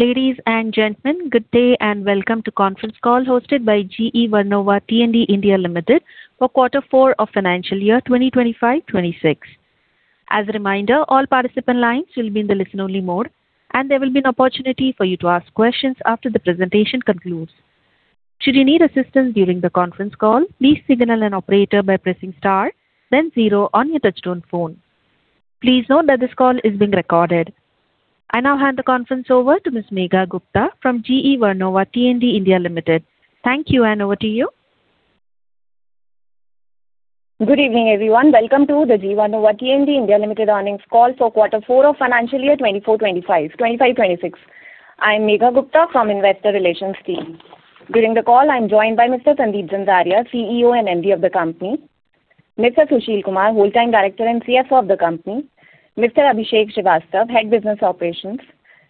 Ladies and gentlemen, good day, welcome to conference call hosted by GE Vernova T&D India Limited for Q4 of Financial Year 2025-2026. As a reminder, all participant lines will be in the listen only mode, and there will be an opportunity for you to ask questions after the presentation concludes. Should you need assistance during the conference call, please signal an operator by pressing star then zero on your touchtone phone. Please note that this call is being recorded. I now hand the conference over to Ms. Megha Gupta from GE Vernova T&D India Limited. Thank you, and over to you. Good evening, everyone. Welcome to the GE Vernova T&D India Limited earnings call for quarter four of financial year 2025-2026. I am Megha Gupta from Investor Relations team. During the call, I'm joined by Mr. Sandeep Zanzaria, CEO and MD of the company; Mr. Sushil Kumar, Whole-time Director and CFO of the company; Mr. Abhishek Srivastava, Head Business Operations;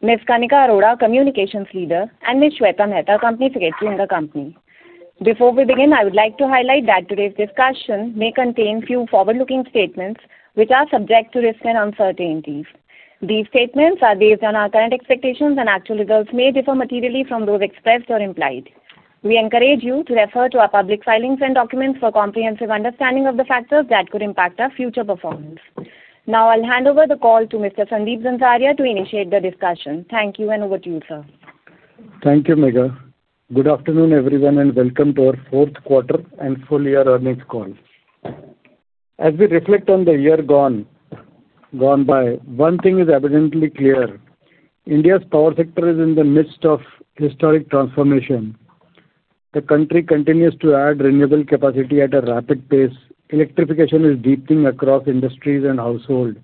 Ms. Kanika Arora, Communications Leader; and Ms. Shweta Mehta, Company Secretary in the company. Before we begin, I would like to highlight that today's discussion may contain few forward-looking statements which are subject to risks and uncertainties. These statements are based on our current expectations, and actual results may differ materially from those expressed or implied. We encourage you to refer to our public filings and documents for comprehensive understanding of the factors that could impact our future performance. Now, I'll hand over the call to Mr. Sandeep Zanzaria to initiate the discussion. Thank you, and over to you, sir. Thank you, Megha. Good afternoon, everyone, and welcome to our fourth quarter and full year earnings call. As we reflect on the year gone by, one thing is evidently clear: India's power sector is in the midst of historic transformation. The country continues to add renewable capacity at a rapid pace. Electrification is deepening across industries and household,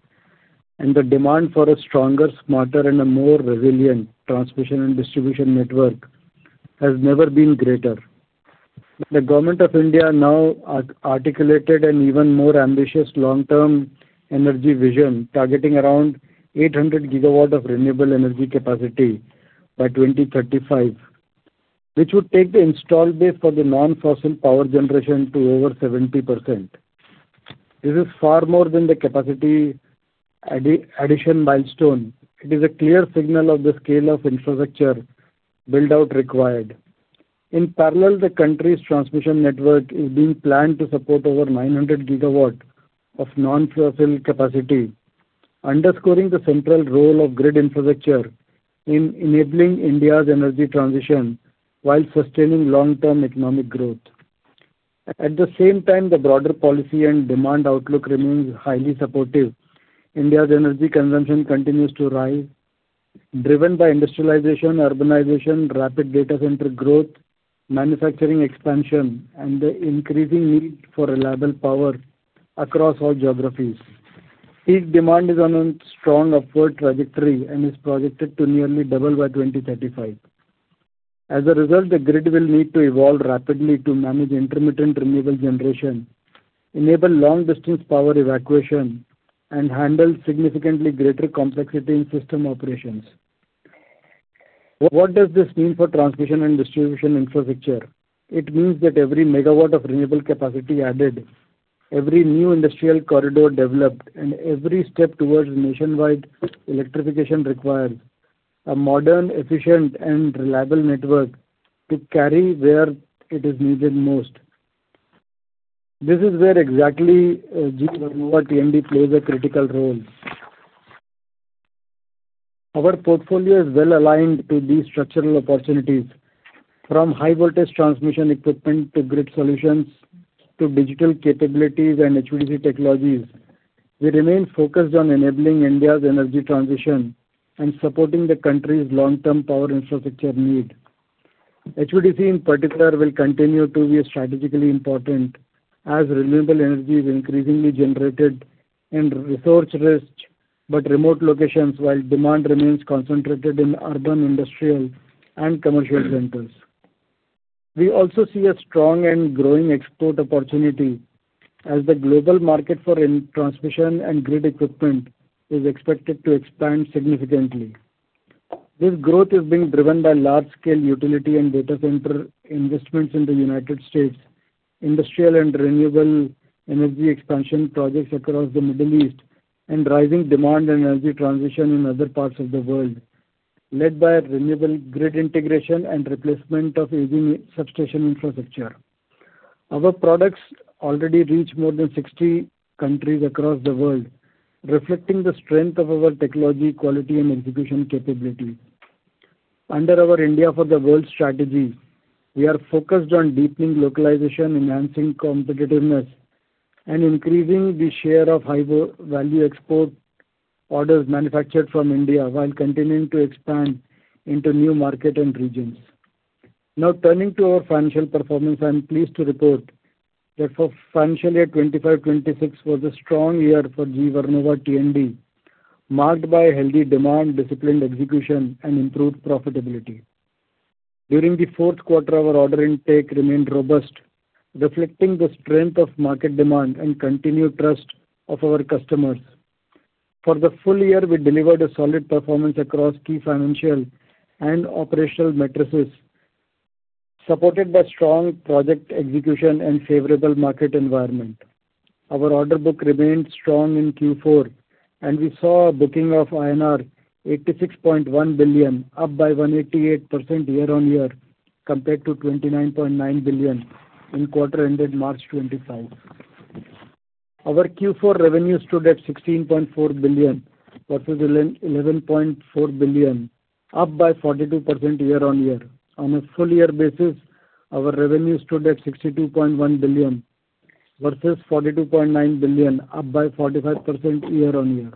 the demand for a stronger, smarter, and a more resilient transmission and distribution network has never been greater. The Government of India now articulated an even more ambitious long-term energy vision, targeting around 800 gigawatt of renewable energy capacity by 2035, which would take the installed base for the non-fossil power generation to over 70%. This is far more than the capacity addition milestone. It is a clear signal of the scale of infrastructure build-out required. In parallel, the country's transmission network is being planned to support over 900 GW of non-fossil capacity, underscoring the central role of grid infrastructure in enabling India's energy transition while sustaining long-term economic growth. At the same time, the broader policy and demand outlook remains highly supportive. India's energy consumption continues to rise, driven by industrialization, urbanization, rapid data center growth, manufacturing expansion, and the increasing need for reliable power across all geographies. Peak demand is on a strong upward trajectory and is projected to nearly double by 2035. As a result, the grid will need to evolve rapidly to manage intermittent renewable generation, enable long-distance power evacuation, and handle significantly greater complexity in system operations. What does this mean for transmission and distribution infrastructure? It means that every megawatt of renewable capacity added, every new industrial corridor developed, and every step towards nationwide electrification requires a modern, efficient, and reliable network to carry where it is needed most. This is where exactly GE Vernova T&D plays a critical role. Our portfolio is well aligned to these structural opportunities. From high voltage transmission equipment to grid solutions, to digital capabilities and HVDC technologies, we remain focused on enabling India's energy transition and supporting the country's long-term power infrastructure need. HVDC, in particular, will continue to be strategically important as renewable energy is increasingly generated in resource-rich but remote locations while demand remains concentrated in urban, industrial, and commercial centers. We also see a strong and growing export opportunity as the global market for transmission and grid equipment is expected to expand significantly. This growth is being driven by large scale utility and data center investments in the United States, industrial and renewable energy expansion projects across the Middle East, and rising demand and energy transition in other parts of the world, led by renewable grid integration and replacement of aging substation infrastructure. Our products already reach more than 60 countries across the world, reflecting the strength of our technology, quality, and execution capability. Under our India for the World strategy, we are focused on deepening localization, enhancing competitiveness, and increasing the share of high value export orders manufactured from India while continuing to expand into new market and regions. Turning to our financial performance, I'm pleased to report that financial year 2025-2026 was a strong year for GE Vernova T&D, marked by healthy demand, disciplined execution, and improved profitability. During the fourth quarter, our order intake remained robust, reflecting the strength of market demand and continued trust of our customers. For the full year, we delivered a solid performance across key financial and operational metrics supported by strong project execution and favorable market environment. Our order book remained strong in Q4, and we saw a booking of INR 86.1 billion, up by 188% year-on-year compared to 29.9 billion in quarter ended March 2025. Our Q4 revenue stood at 16.4 billion versus 11.4 billion, up by 42% year-on-year. On a full year basis, our revenue stood at 62.1 billion versus 42.9 billion, up by 45% year-on-year.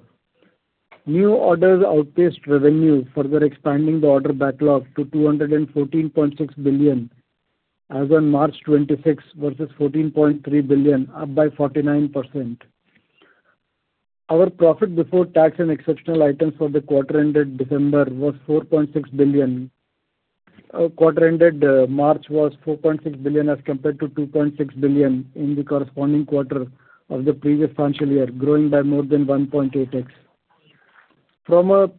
New orders outpaced revenue, further expanding the order backlog to 214.6 billion as on March 26 versus 14.3 billion, up by 49%. Our profit before tax and exceptional items for the quarter ended December was 4.6 billion. Our quarter ended March was 4.6 billion as compared to 2.6 billion in the corresponding quarter of the previous financial year, growing by more than 1.8x. From a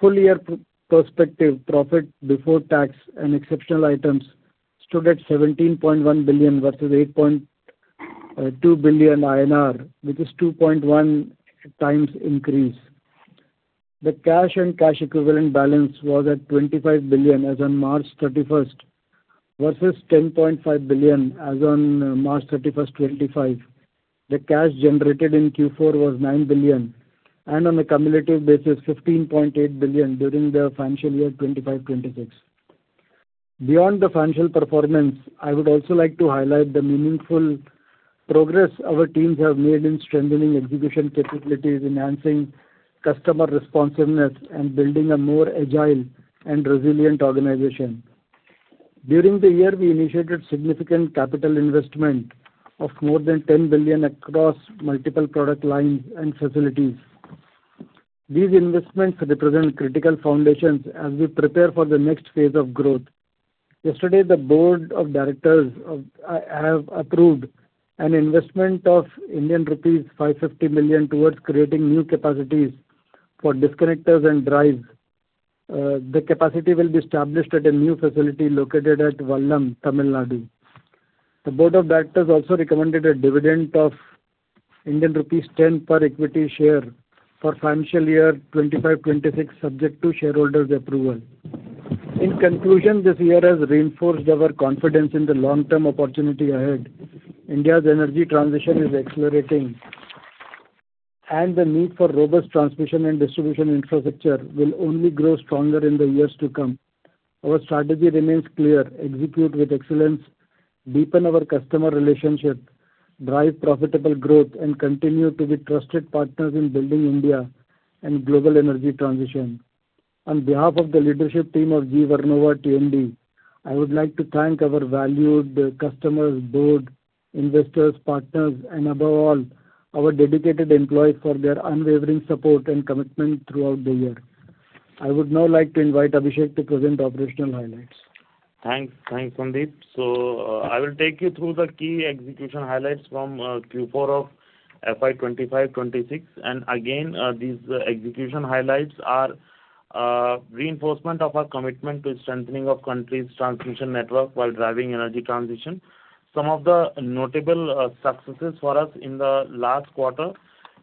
full year perspective, profit before tax and exceptional items stood at 17.1 billion versus 8.2 billion INR, which is 2.1x increase. The cash and cash equivalent balance was at 25 billion as on March 31 versus 10.5 billion as on March 31, 2025. The cash generated in Q4 was 9 billion and on a cumulative basis, 15.8 billion during the financial year 2025-2026. Beyond the financial performance, I would also like to highlight the meaningful progress our teams have made in strengthening execution capabilities, enhancing customer responsiveness, and building a more agile and resilient organization. During the year, we initiated significant capital investment of more than 10 billion across multiple product lines and facilities. These investments represent critical foundations as we prepare for the next phase of growth. Yesterday, the board of directors have approved an investment of Indian rupees 550 million towards creating new capacities for disconnectors and drives. The capacity will be established at a new facility located at Vallam, Tamil Nadu. The board of directors also recommended a dividend of Indian rupees 10 per equity share for financial year 2025-2026, subject to shareholders' approval. In conclusion, this year has reinforced our confidence in the long-term opportunity ahead. India's energy transition is accelerating, and the need for robust transmission and distribution infrastructure will only grow stronger in the years to come. Our strategy remains clear: execute with excellence, deepen our customer relationship, drive profitable growth, and continue to be trusted partners in building India and global energy transition. On behalf of the leadership team of GE Vernova T&D, I would like to thank our valued customers, board, investors, partners, and above all, our dedicated employees for their unwavering support and commitment throughout the year. I would now like to invite Abhishek to present operational highlights. Thanks. Thanks, Sandeep. I will take you through the key execution highlights from Q4 of FY 2025-2026. These execution highlights are reinforcement of our commitment to strengthening of country's transmission network while driving energy transition. Some of the notable successes for us in the last quarter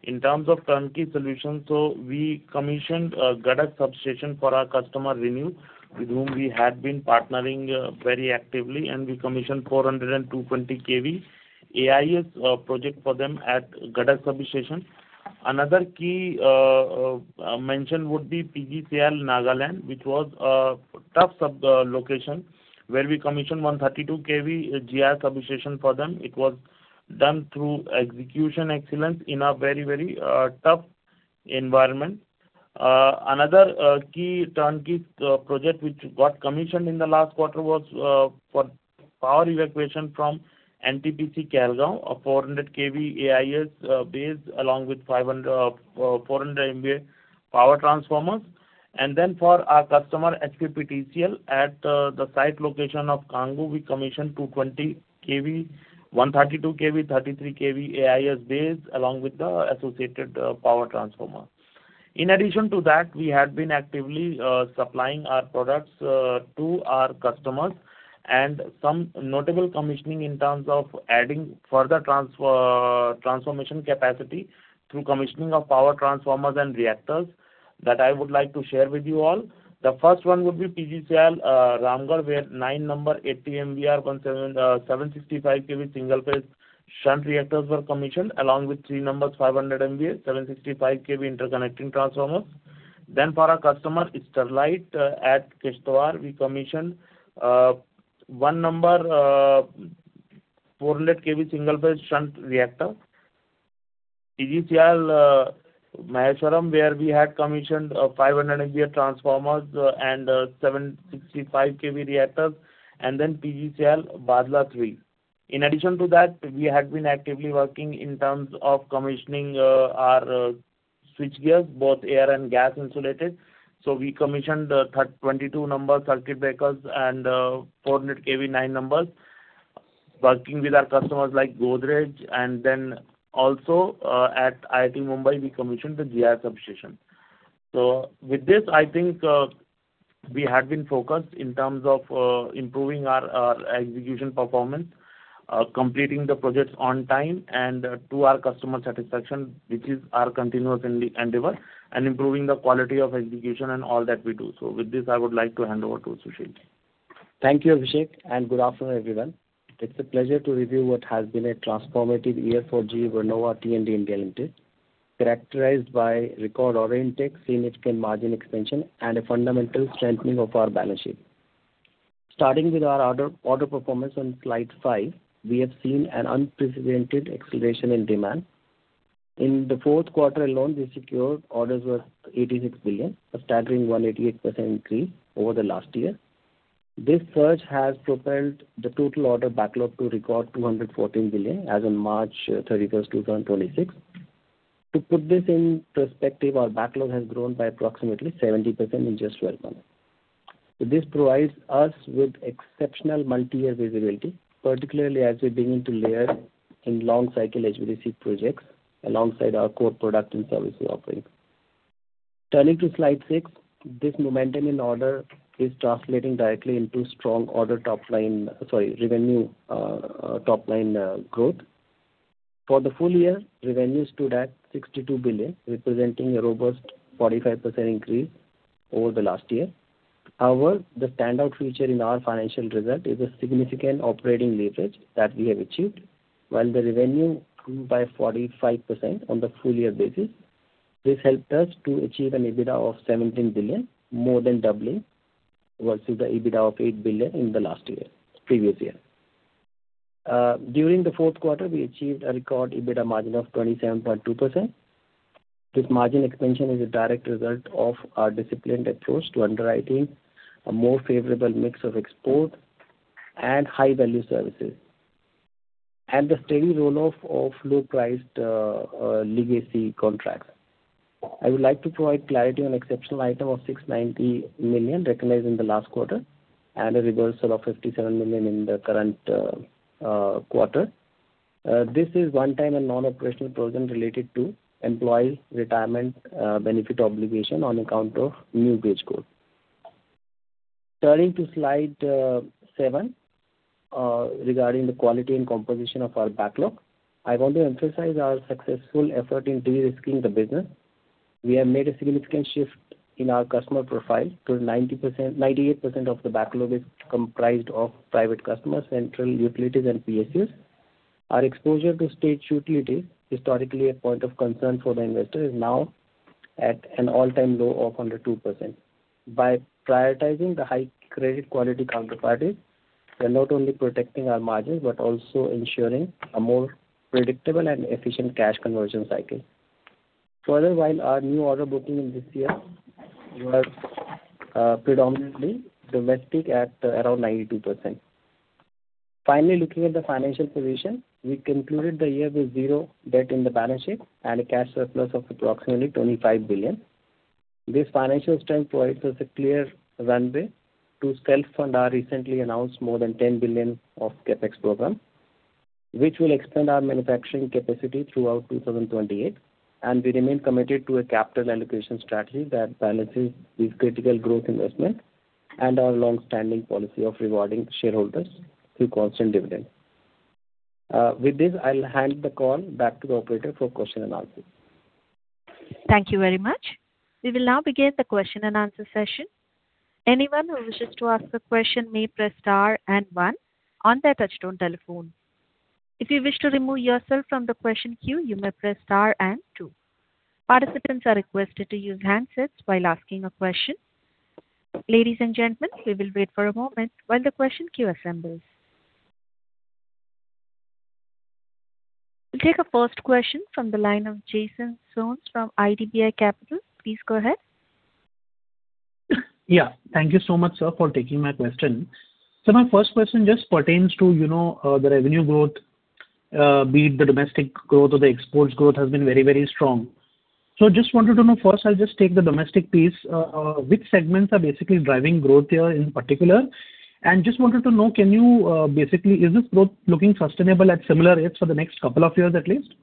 in terms of turnkey solutions. We commissioned Gadag substation for our customer, ReNew, with whom we had been partnering very actively, and we commissioned 400 kV and 220 kV AIS project for them at Gadag substation. Another key mention would be PGCIL Nagaland, which was a tough location, where we commissioned 132 kV GIS substation for them. It was done through execution excellence in a very tough environment. Another key turnkey project which got commissioned in the last quarter was for power evacuation from NTPC Kahalgaon, a 400 kV AIS bays, along with 400 MVA power transformers. For our customer, HPPTCL, at the site location of Kangoo, we commissioned 220 kV, 132 kV, 33 kV AIS bays, along with the associated power transformer. In addition to that, we had been actively supplying our products to our customers and some notable commissioning in terms of adding further transformation capacity through commissioning of power transformers and reactors that I would like to share with you all. The first one would be PGCIL, Ramgarh, where 9 numbers 80 MVAr 765 kV 1 ph Shunt Reactors were commissioned along with 3 numbers 500 MVA, 765 kV Inter Connecting Transformers. For our customer, Sterlite, at Kishtwar, we commissioned 1 number 400 kV 1 ph Shunt Reactor. PGCIL, Maheshwaram, where we had commissioned 500 MVA transformers, and 765 kV reactors, PGCIL Bhadla III. In addition to that, we had been actively working in terms of commissioning our switchgears, both air and gas insulated. We commissioned 22 number circuit breakers and 400 kV 9 numbers. Working with our customers like Godrej, also at IIT Mumbai, we commissioned the GIS substation. With this, I think, we have been focused in terms of improving our execution performance, completing the projects on time and to our customer satisfaction, which is our continuous endeavor, and improving the quality of execution in all that we do. With this, I would like to hand over to Sushil. Thank you, Abhishek, and good afternoon, everyone. It's a pleasure to review what has been a transformative year for GE Vernova T&D India Limited, characterized by record order intake, significant margin expansion, and a fundamental strengthening of our balance sheet. Starting with our order performance on slide five, we have seen an unprecedented acceleration in demand. In the fourth quarter alone, we secured orders worth 86 billion, a staggering 188% increase over the last year. This surge has propelled the total order backlog to record 214 billion as on March 31st, 2026. To put this in perspective, our backlog has grown by approximately 70% in just 12 months. This provides us with exceptional multi-year visibility, particularly as we begin to layer in long cycle HVDC projects alongside our core product and service offering. Turning to slide six, this momentum in order is translating directly into strong revenue top line growth. For the full year, revenue stood at 62 billion, representing a robust 45% increase over the last year. However, the standout feature in our financial result is the significant operating leverage that we have achieved. While the revenue grew by 45% on the full year basis, this helped us to achieve an EBITDA of 17 billion, more than doubling versus the EBITDA of 8 billion in the previous year. During the fourth quarter, we achieved a record EBITDA margin of 27.2%. This margin expansion is a direct result of our disciplined approach to underwriting, a more favorable mix of export and high value services, and the steady roll-off of low-priced legacy contracts. I would like to provide clarity on exceptional item of 690 million recognized in the last quarter and a reversal of 57 million in the current quarter. This is one time a non-operational program related to employee retirement benefit obligation on account of new wage code. Turning to slide seven, regarding the quality and composition of our backlog, I want to emphasize our successful effort in de-risking the business. We have made a significant shift in our customer profile to 90%, 98% of the backlog is comprised of private customers, central utilities and PSUs. Our exposure to state utility, historically a point of concern for the investor, is now at an all-time low of under 2%. By prioritizing the high credit quality counterparties, we're not only protecting our margins, but also ensuring a more predictable and efficient cash conversion cycle. While our new order booking in this year were predominantly domestic at around 92%. Looking at the financial position, we concluded the year with zero debt in the balance sheet and a cash surplus of approximately 25 billion. This financial strength provides us a clear runway to self-fund our recently announced more than 10 billion of CapEx program, which will expand our manufacturing capacity throughout 2028, we remain committed to a capital allocation strategy that balances these critical growth investment and our longstanding policy of rewarding shareholders through constant dividend. With this, I'll hand the call back to the operator for question and answer. Thank you very much. We will now begin the question and answer session. Anyone who wishes to ask a question may press star and one on their touchtone telephone. If you wish to remove yourself from the question queue, you may press star and two. Participants are requested to use handsets while asking a question. Ladies and gentlemen, we will wait for a moment while the question queue assembles. We'll take our first question from the line of Jason Soans from IDBI Capital. Please go ahead. Yeah. Thank you so much, sir, for taking my question. My first question just pertains to, you know, the revenue growth, be it the domestic growth or the exports growth has been very, very strong. Just wanted to know, first I'll just take the domestic piece. Which segments are basically driving growth here in particular? Just wanted to know, is this growth looking sustainable at similar rates for the next couple of years at least?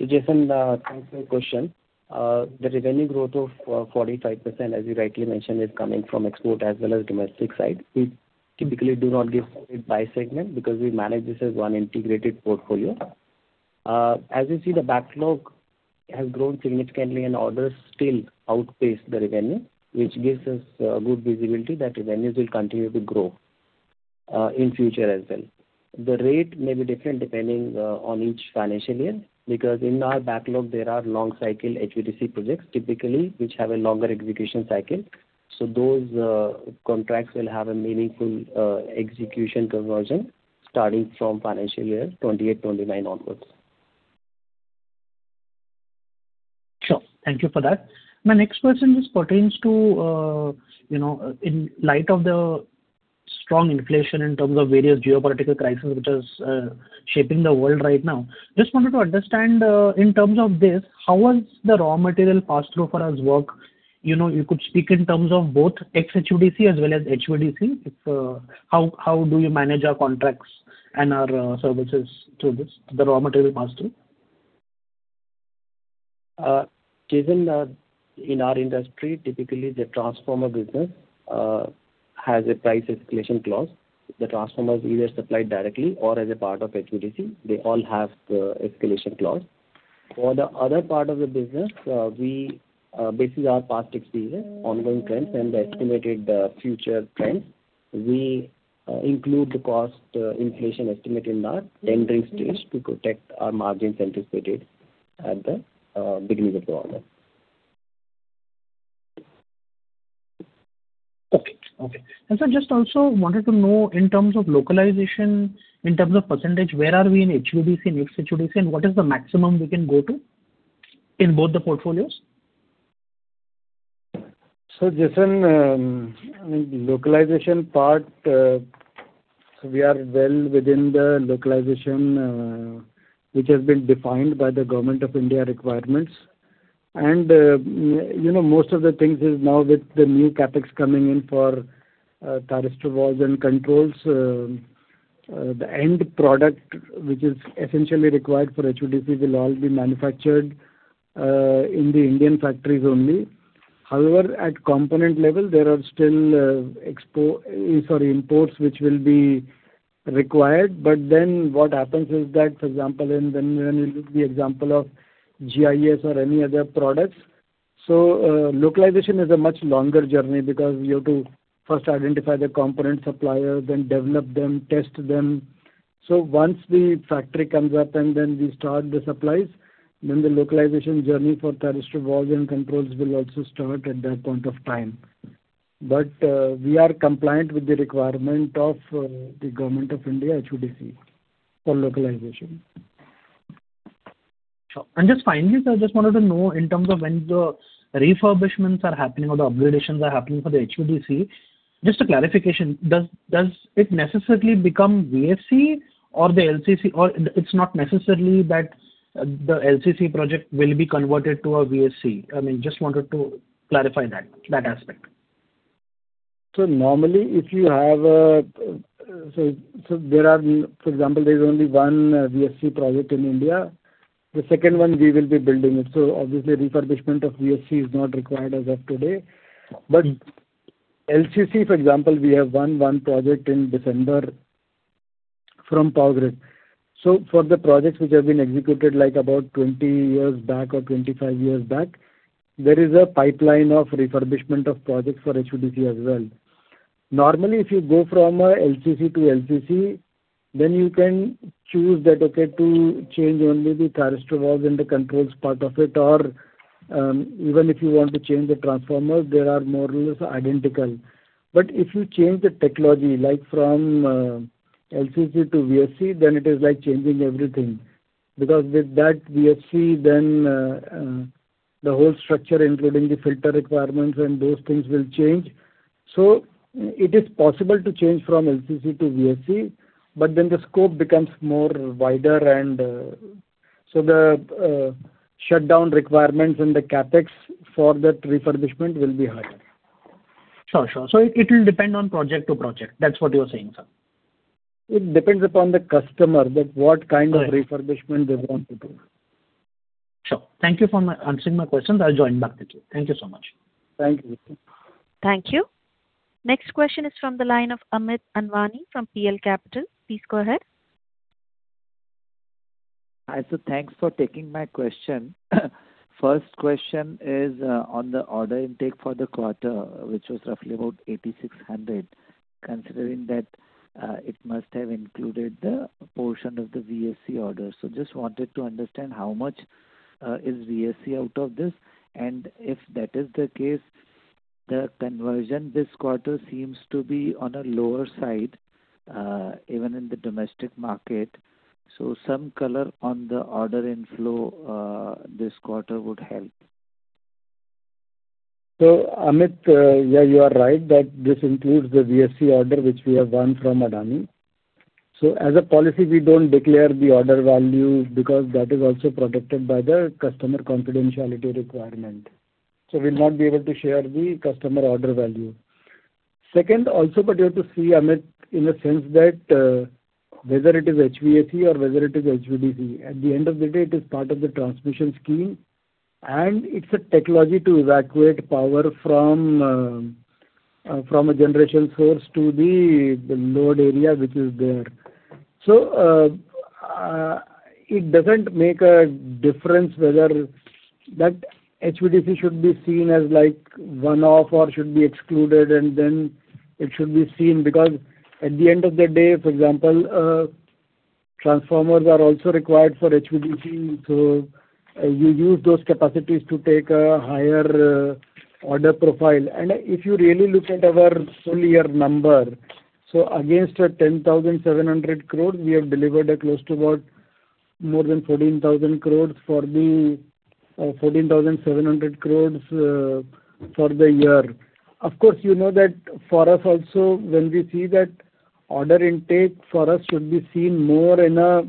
Jason, thanks for your question. The revenue growth of 45%, as you rightly mentioned, is coming from export as well as domestic side. We typically do not give it by segment because we manage this as one integrated portfolio. As you see, the backlog has grown significantly and orders still outpace the revenue, which gives us good visibility that revenues will continue to grow in future as well. The rate may be different depending on each financial year because in our backlog there are long cycle HVDC projects typically, which have a longer execution cycle. Those contracts will have a meaningful execution conversion starting from financial year 2028-2029 onwards. Sure. Thank you for that. My next question just pertains to, you know, in light of the strong inflation in terms of various geopolitical crisis which is shaping the world right now. Just wanted to understand, in terms of this, how has the raw material pass-through for us worked? You know, you could speak in terms of both HVAC as well as HVDC. How do you manage our contracts and our services through this, the raw material pass-through? Jason Soans, in our industry, typically the transformer business has a price escalation clause. The transformers either supplied directly or as a part of HVDC, they all have escalation clause. For the other part of the business, we, basis our past experience, ongoing trends and the estimated future trends, we include the cost inflation estimate in our tendering stage to protect our margins anticipated at the beginning of the order. Okay. Okay. Sir, just also wanted to know in terms of localization, in terms of percentage, where are we in HVDC and mixed HVAC, and what is the maximum we can go to? In both the portfolios? Jason, I mean, localization part, we are well within the localization which has been defined by the Government of India requirements. You know, most of the things is now with the new CapEx coming in for thyristor valves and controls, the end product which is essentially required for HVDC will all be manufactured in the Indian factories only. However, at component level there are still imports which will be required. What happens is that, for example, when you look the example of GIS or any other products. Localization is a much longer journey because you have to first identify the component supplier, then develop them, test them. Once the factory comes up and then we start the supplies, the localization journey for thyristor valves and controls will also start at that point of time. We are compliant with the requirement of the Government of India HVDC for localization. Sure. Just finally, sir, just wanted to know in terms of when the refurbishments are happening or the upgradations are happening for the HVDC. Just a clarification, does it necessarily become VSC or the LCC or it's not necessarily that the LCC project will be converted to a VSC? I mean, just wanted to clarify that aspect. For example, there is only one VSC project in India. The second one we will be building it. Obviously refurbishment of VSC is not required as of today. LCC, for example, we have won one project in December from Power Grid. For the projects which have been executed like about 20 years back or 25 years back, there is a pipeline of refurbishment of projects for HVDC as well. Normally, if you go from LCC to LCC, then you can choose that, okay, to change only the thyristor valves and the controls part of it or even if you want to change the transformers, there are more or less identical. If you change the technology, like from LCC to VSC, then it is like changing everything. With that VSC then, the whole structure including the filter requirements and those things will change. It is possible to change from LCC to VSC, but then the scope becomes more wider and the shutdown requirements and the CapEx for that refurbishment will be higher. Sure, sure. It'll depend on project to project. That's what you're saying, sir? It depends upon the customer that what kind of refurbishment they want to do. Sure. Thank you for my answering my questions. I'll join back the queue. Thank you so much. Thank you. Thank you. Next question is from the line of Amit Anwani from PL Capital. Please go ahead. Hi, sir. Thanks for taking my question. First question is on the order intake for the quarter, which was roughly about 8,600. Considering that it must have included the portion of the VSC order. Just wanted to understand how much is VSC out of this? If that is the case, the conversion this quarter seems to be on a lower side, even in the domestic market. Some color on the order inflow this quarter would help. Amit, yeah, you are right that this includes the VSC order which we have won from Adani. As a policy, we don't declare the order value because that is also protected by the customer confidentiality requirement. We'll not be able to share the customer order value. Second also, you have to see, Amit, in the sense that, whether it is HVAC or whether it is HVDC, at the end of the day it is part of the transmission scheme, and it's a technology to evacuate power from a generation source to the load area which is there. It doesn't make a difference whether that HVDC should be seen as like one-off or should be excluded, and then it should be seen. At the end of the day, for example, transformers are also required for HVDC, so you use those capacities to take a higher order profile. If you really look at our full year number, against 10,700 crores, we have delivered more than 14,000 crores for the 14,700 crores for the year. Of course, you know that for us also, when we see that order intake for us should be seen more in a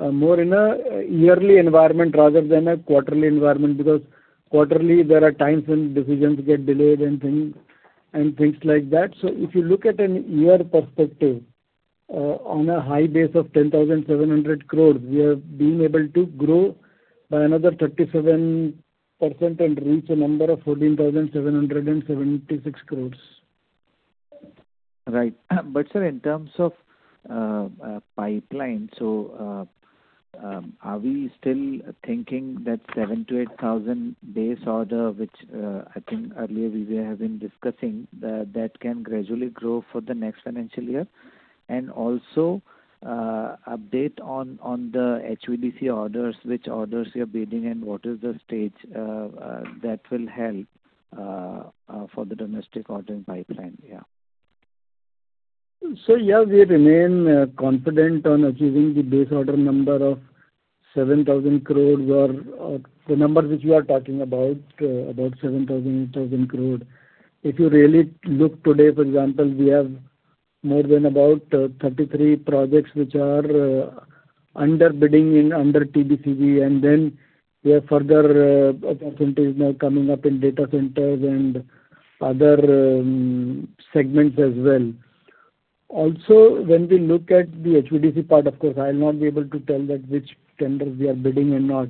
yearly environment rather than a quarterly environment. Quarterly there are times when decisions get delayed and things, and things like that. If you look at an year perspective, on a high base of 10,700 crores, we are being able to grow by another 37% and reach a number of 14,776 crores. Right. Sir, in terms of pipeline, are we still thinking that 7,000-8,000 base order, which I think earlier we were having discussing, that can gradually grow for the next financial year? Also, update on the HVDC orders, which orders you're bidding and what is the stage that will help for the domestic order in pipeline, yeah. Yeah, we remain confident on achieving the base order number of 7,000 crores or the number which we are talking about 7,000-8,000 crores. If you really look today, for example, we have more than about 33 projects which are under bidding in under TBCB and then we have further opportunities now coming up in data centers and other segments as well. Also, when we look at the HVDC part, of course, I will not be able to tell that which tenders we are bidding and not.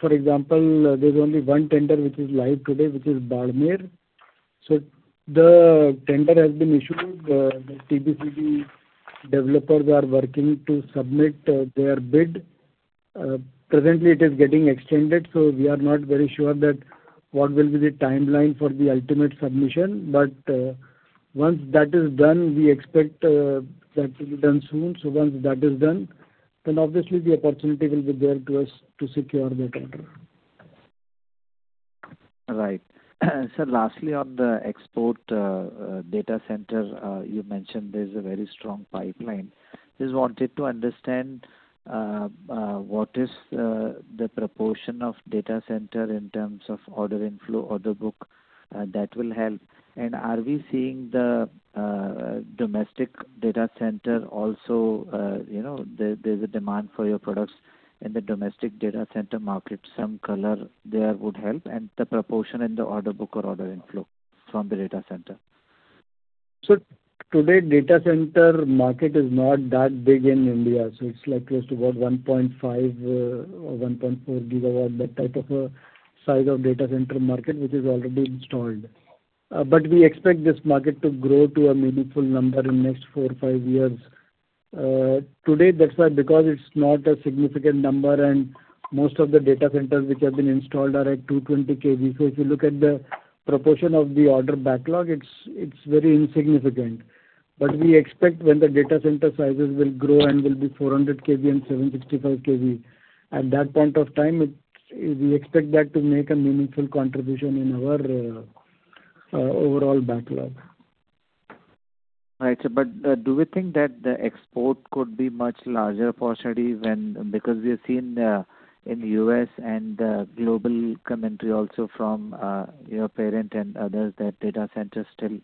For example, there's only 1 tender which is live today, which is Barmer. The tender has been issued. The TBCB developers are working to submit their bid. Presently it is getting extended, we are not very sure that what will be the timeline for the ultimate submission. Once that is done, we expect that to be done soon. Once that is done, then obviously the opportunity will be there to us to secure that tender. Right. Sir, lastly on the export data center, you mentioned there's a very strong pipeline. Just wanted to understand what is the proportion of data center in terms of order inflow, order book that will help. Are we seeing the domestic data center also, you know, there's a demand for your products in the domestic data center market. Some color there would help and the proportion in the order book or order inflow from the data center. Today, data center market is not that big in India. It's like close to about 1.5 GW or 1.4 GW, that type of a size of data center market, which is already installed. We expect this market to grow to a meaningful number in next four, five years. Today that's why because it's not a significant number and most of the data centers which have been installed are at 220 kV. If you look at the proportion of the order backlog, it's very insignificant. We expect when the data center sizes will grow and will be 400 kV and 765 kV, at that point of time, we expect that to make a meaningful contribution in our overall backlog. Right. Do we think that the export could be much larger possibly because we have seen, in U.S. and, global commentary also from, your parent and others that data center is still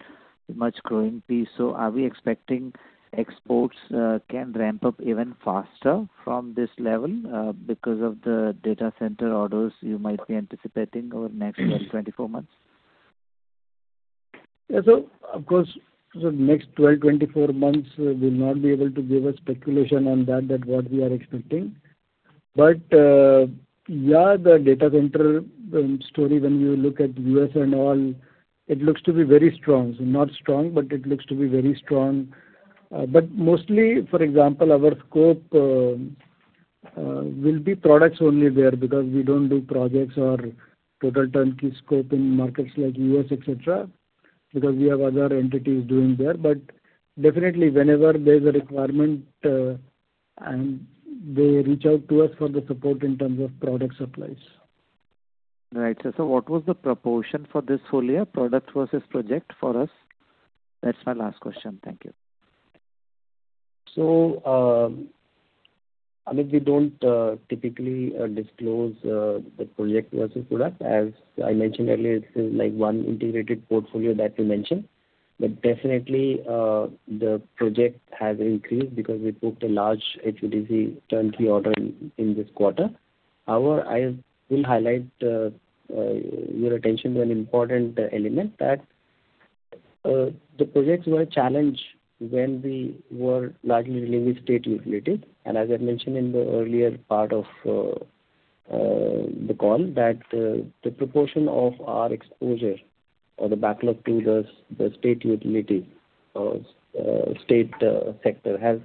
much growing piece. Are we expecting exports, can ramp up even faster from this level, because of the data center orders you might be anticipating over next 12, 24 months? Of course, next 12, 24 months, we will not be able to give a speculation on that what we are expecting. The data center story when you look at U.S. and all, it looks to be very strong. Not strong, but it looks to be very strong. Mostly, for example, our scope will be products only there because we don't do projects or total turnkey scope in markets like U.S., et cetera, because we have other entities doing there. Definitely whenever there's a requirement, and they reach out to us for the support in terms of product supplies. Right. What was the proportion for this whole year, product versus project for us? That's my last question. Thank you. Amit, we don't typically disclose the project versus product. As I mentioned earlier, this is like one integrated portfolio that we mentioned. Definitely, the project has increased because we booked a large HVDC turnkey order in this quarter. However, I will highlight your attention to an important element that the projects were a challenge when we were largely dealing with state utility. As I mentioned in the earlier part of the call that the proportion of our exposure or the backlog to the state utility state sector has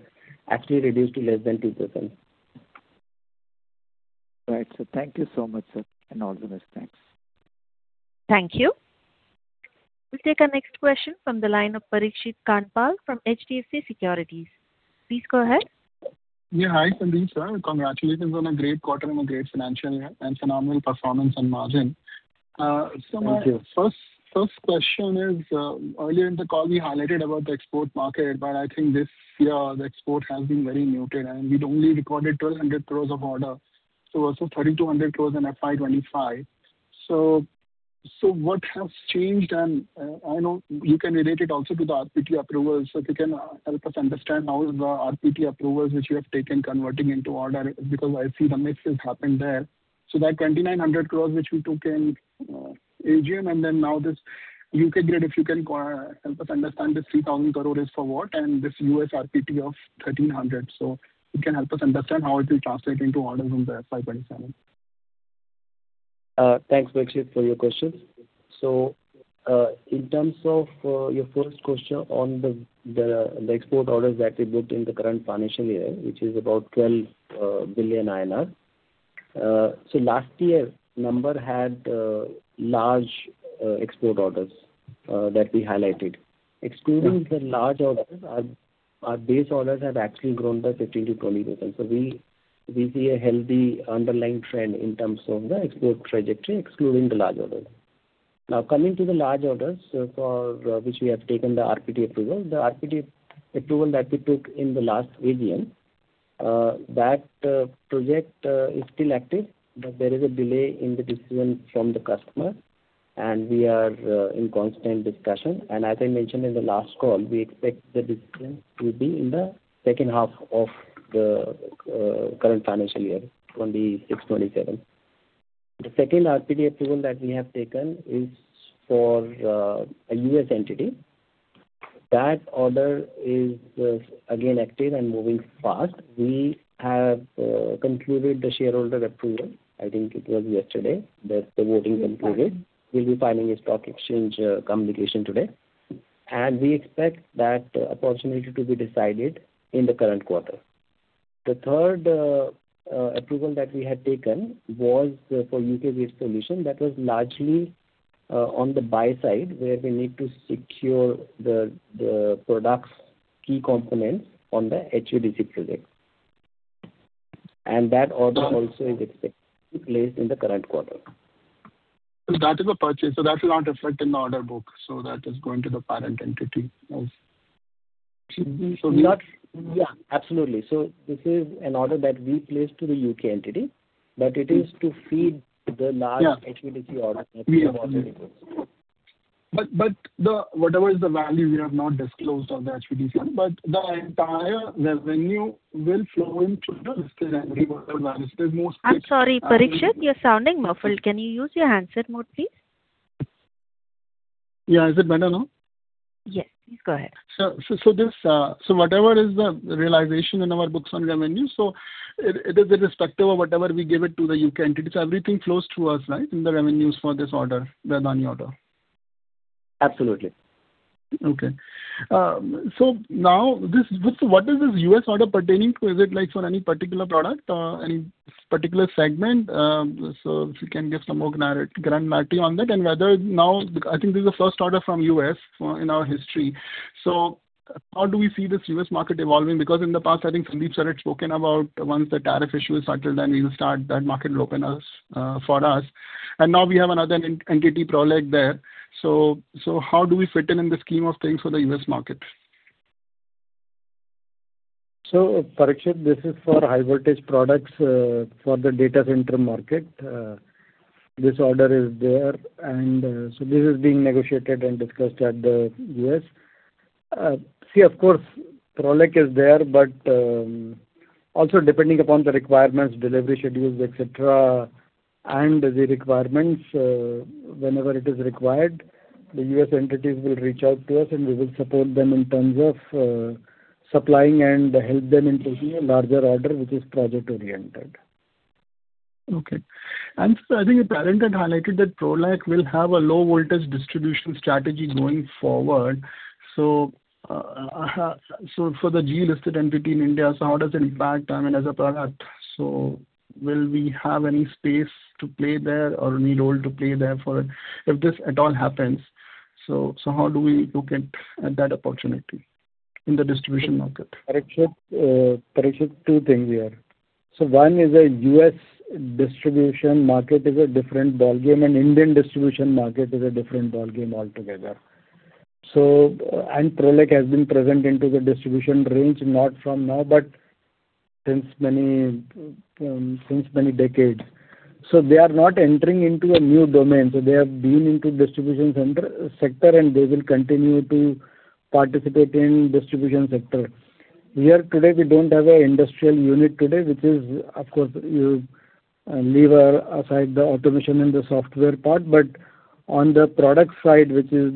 actually reduced to less than [2%]. Right. Thank you so much, sir, and organizers. Thanks. Thank you. We'll take our next question from the line of Parikshit Kandpal from HDFC Securities. Please go ahead. Yeah. Hi, Sandeep sir. Congratulations on a great quarter and a great financial year and phenomenal performance and margin. Thank you. First question is, earlier in the call you highlighted about the export market, but I think this year the export has been very muted, and we'd only recorded 1,200 crores of order. Also 3,200 crores in FY 2025. What has changed and I know you can relate it also to the RPT approvals. If you can help us understand how the RPT approvals which you have taken converting into order, because I see the mix has happened there. That 2,900 crores which we took in AGM, and then now this U.K. grid, if you can help us understand this 3,000 crore is for what, and this U.S. RPT of 1,300. If you can help us understand how it will translate into orders in the FY 2027. Thanks, Parikshit, for your questions. In terms of your first question on the export orders that we booked in the current financial year, which is about 12 billion INR. Last year, number had large export orders that we highlighted. Excluding the large orders, our base orders have actually grown by 15%-20%. We see a healthy underlying trend in terms of the export trajectory, excluding the large orders. Now, coming to the large orders for which we have taken the RPT approval. The RPT approval that we took in the last AGM, that project is still active, but there is a delay in the decision from the customer, and we are in constant discussion. As I mentioned in the last call, we expect the decision to be in the second half of the current financial year 2026-2027. The second RPT approval that we have taken is for a U.S. entity. That order is again active and moving fast. We have concluded the shareholder approval. I think it was yesterday that the voting concluded. We'll be filing a stock exchange communication today. We expect that opportunity to be decided in the current quarter. The third approval that we had taken was for U.K.-based solution. That was largely on the buy side, where we need to secure the product's key components on the HVDC project. That order also is expected to be placed in the current quarter. That is a purchase, so that will not reflect in the order book. That is going to the parent entity as... Yeah, absolutely. This is an order that we placed to the U.K. entity, but it is to feed the large HVDC order. Whatever is the value we have not disclosed of the HVDC, but the entire revenue will flow into the listed entity... I'm sorry, Parikshit, you're sounding muffled. Can you use your handset mode, please? Yeah. Is it better now? Yes, please go ahead. This, whatever is the realization in our books on revenue, it is irrespective of whatever we give it to the U.K. entity. Everything flows through us, right, in the revenues for this order, the Adani order? Absolutely. Okay. Now this, with what is this U.S. order pertaining to? Is it like for any particular product or any particular segment? If you can give some more granularity on that. Whether now, I think this is the first order from U.S. for, in our history. How do we see this U.S. market evolving? In the past, I think Sandeep Sir had spoken about once the tariff issue is settled, then we'll start, that market will open us for us. Now we have another entity, Prolec, there. How do we fit in in the scheme of things for the U.S. market? Parikshit, this is for high voltage products for the data center market. This order is there and this is being negotiated and discussed at the U.S. See, of course, Prolec is there, but also depending upon the requirements, delivery schedules, et cetera, and the requirements, whenever it is required, the U.S. entities will reach out to us and we will support them in terms of supplying and help them in placing a larger order which is project-oriented. Okay. sir, I think the parent had highlighted that Prolec will have a low voltage distribution strategy going forward. For the GE-listed entity in India, how does it impact, I mean, as a product? Will we have any space to play there or any role to play there if this at all happens. How do we look at that opportunity in the distribution market? Parikshit, two things here. One is a U.S. distribution market is a different ballgame, and Indian distribution market is a different ballgame altogether. Prolec has been present into the distribution range, not from now, but since many decades. They are not entering into a new domain. They have been into distribution center sector, and they will continue to participate in distribution sector. Here today, we don't have an industrial unit today, which is of course you leave aside the automation and the software part, but on the product side, which is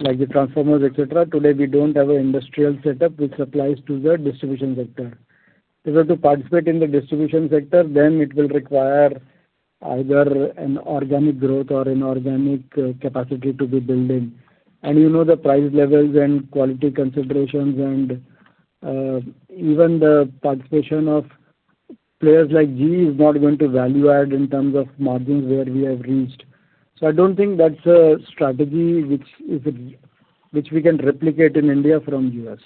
like the transformers, et cetera, today we don't have an industrial setup which supplies to the distribution sector. In order to participate in the distribution sector, then it will require either an organic growth or inorganic capacity to be built in. You know the price levels and quality considerations, even the participation of players like GE is not going to value add in terms of margins where we have reached. I don't think that's a strategy which we can replicate in India from U.S.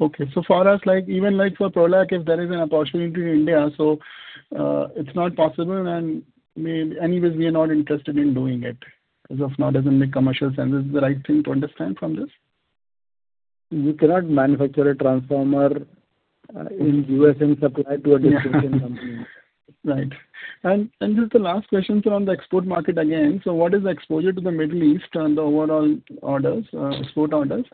Okay. For us, like even like for Prolec, if there is an opportunity in India, it's not possible and anyways, we are not interested in doing it as of now, doesn't make commercial sense. Is that the right thing to understand from this? You cannot manufacture a transformer in U.S. and supply to a distribution company. Right. Just the last question, sir, on the export market again. What is the exposure to the Middle East and the overall orders, export orders?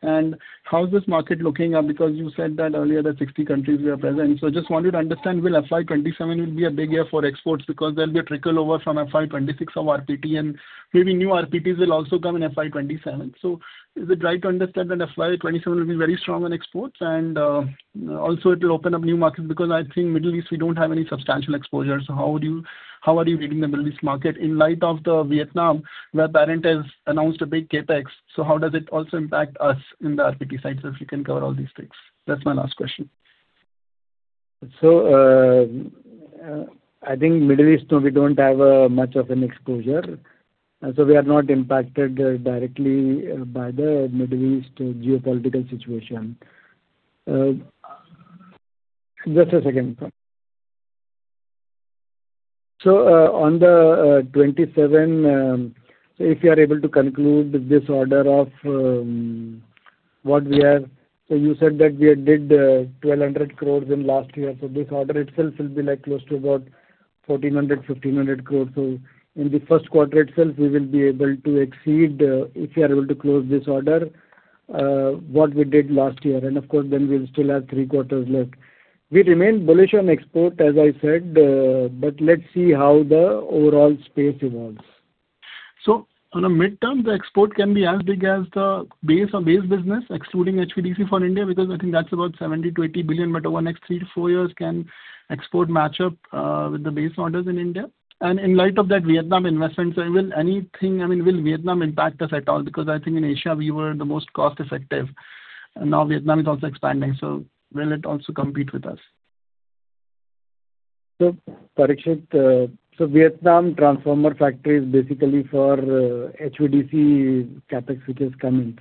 How is this market looking up? You said that earlier that 60 countries were present. I just wanted to understand will FY 2027 will be a big year for exports because there will be a trickle over from FY 2026 of RPT, and maybe new RPTs will also come in FY 2027. Is it right to understand that FY 2027 will be very strong on exports and also it will open up new markets? I think Middle East we don't have any substantial exposure. How are you reading the Middle East market in light of the Vietnam, where parent has announced a big CapEx? How does it also impact us in the RPT side? If you can cover all these things. That's my last question. I think Middle East, no, we don't have much of an exposure. We are not impacted directly by the Middle East geopolitical situation. Just a second, sir. On the 2027, if you are able to conclude this order of what we have. You said that we did 1,200 crores in last year, this order itself will be like close to about 1,400-1,500 crores. In the first quarter itself we will be able to exceed if we are able to close this order what we did last year. Of course, then we'll still have three quarters left. We remain bullish on export, as I said, let's see how the overall space evolves. On a midterm, the export can be as big as the base on base business, excluding HVDC for India, because I think that's about 70 billion-80 billion, but over next three to four years can export match up with the base orders in India? In light of that Vietnam investment, will anything I mean, will Vietnam impact us at all? Because I think in Asia we were the most cost effective, and now Vietnam is also expanding, so will it also compete with us? Parikshit, Vietnam transformer factory is basically for HVDC CapEx which is coming.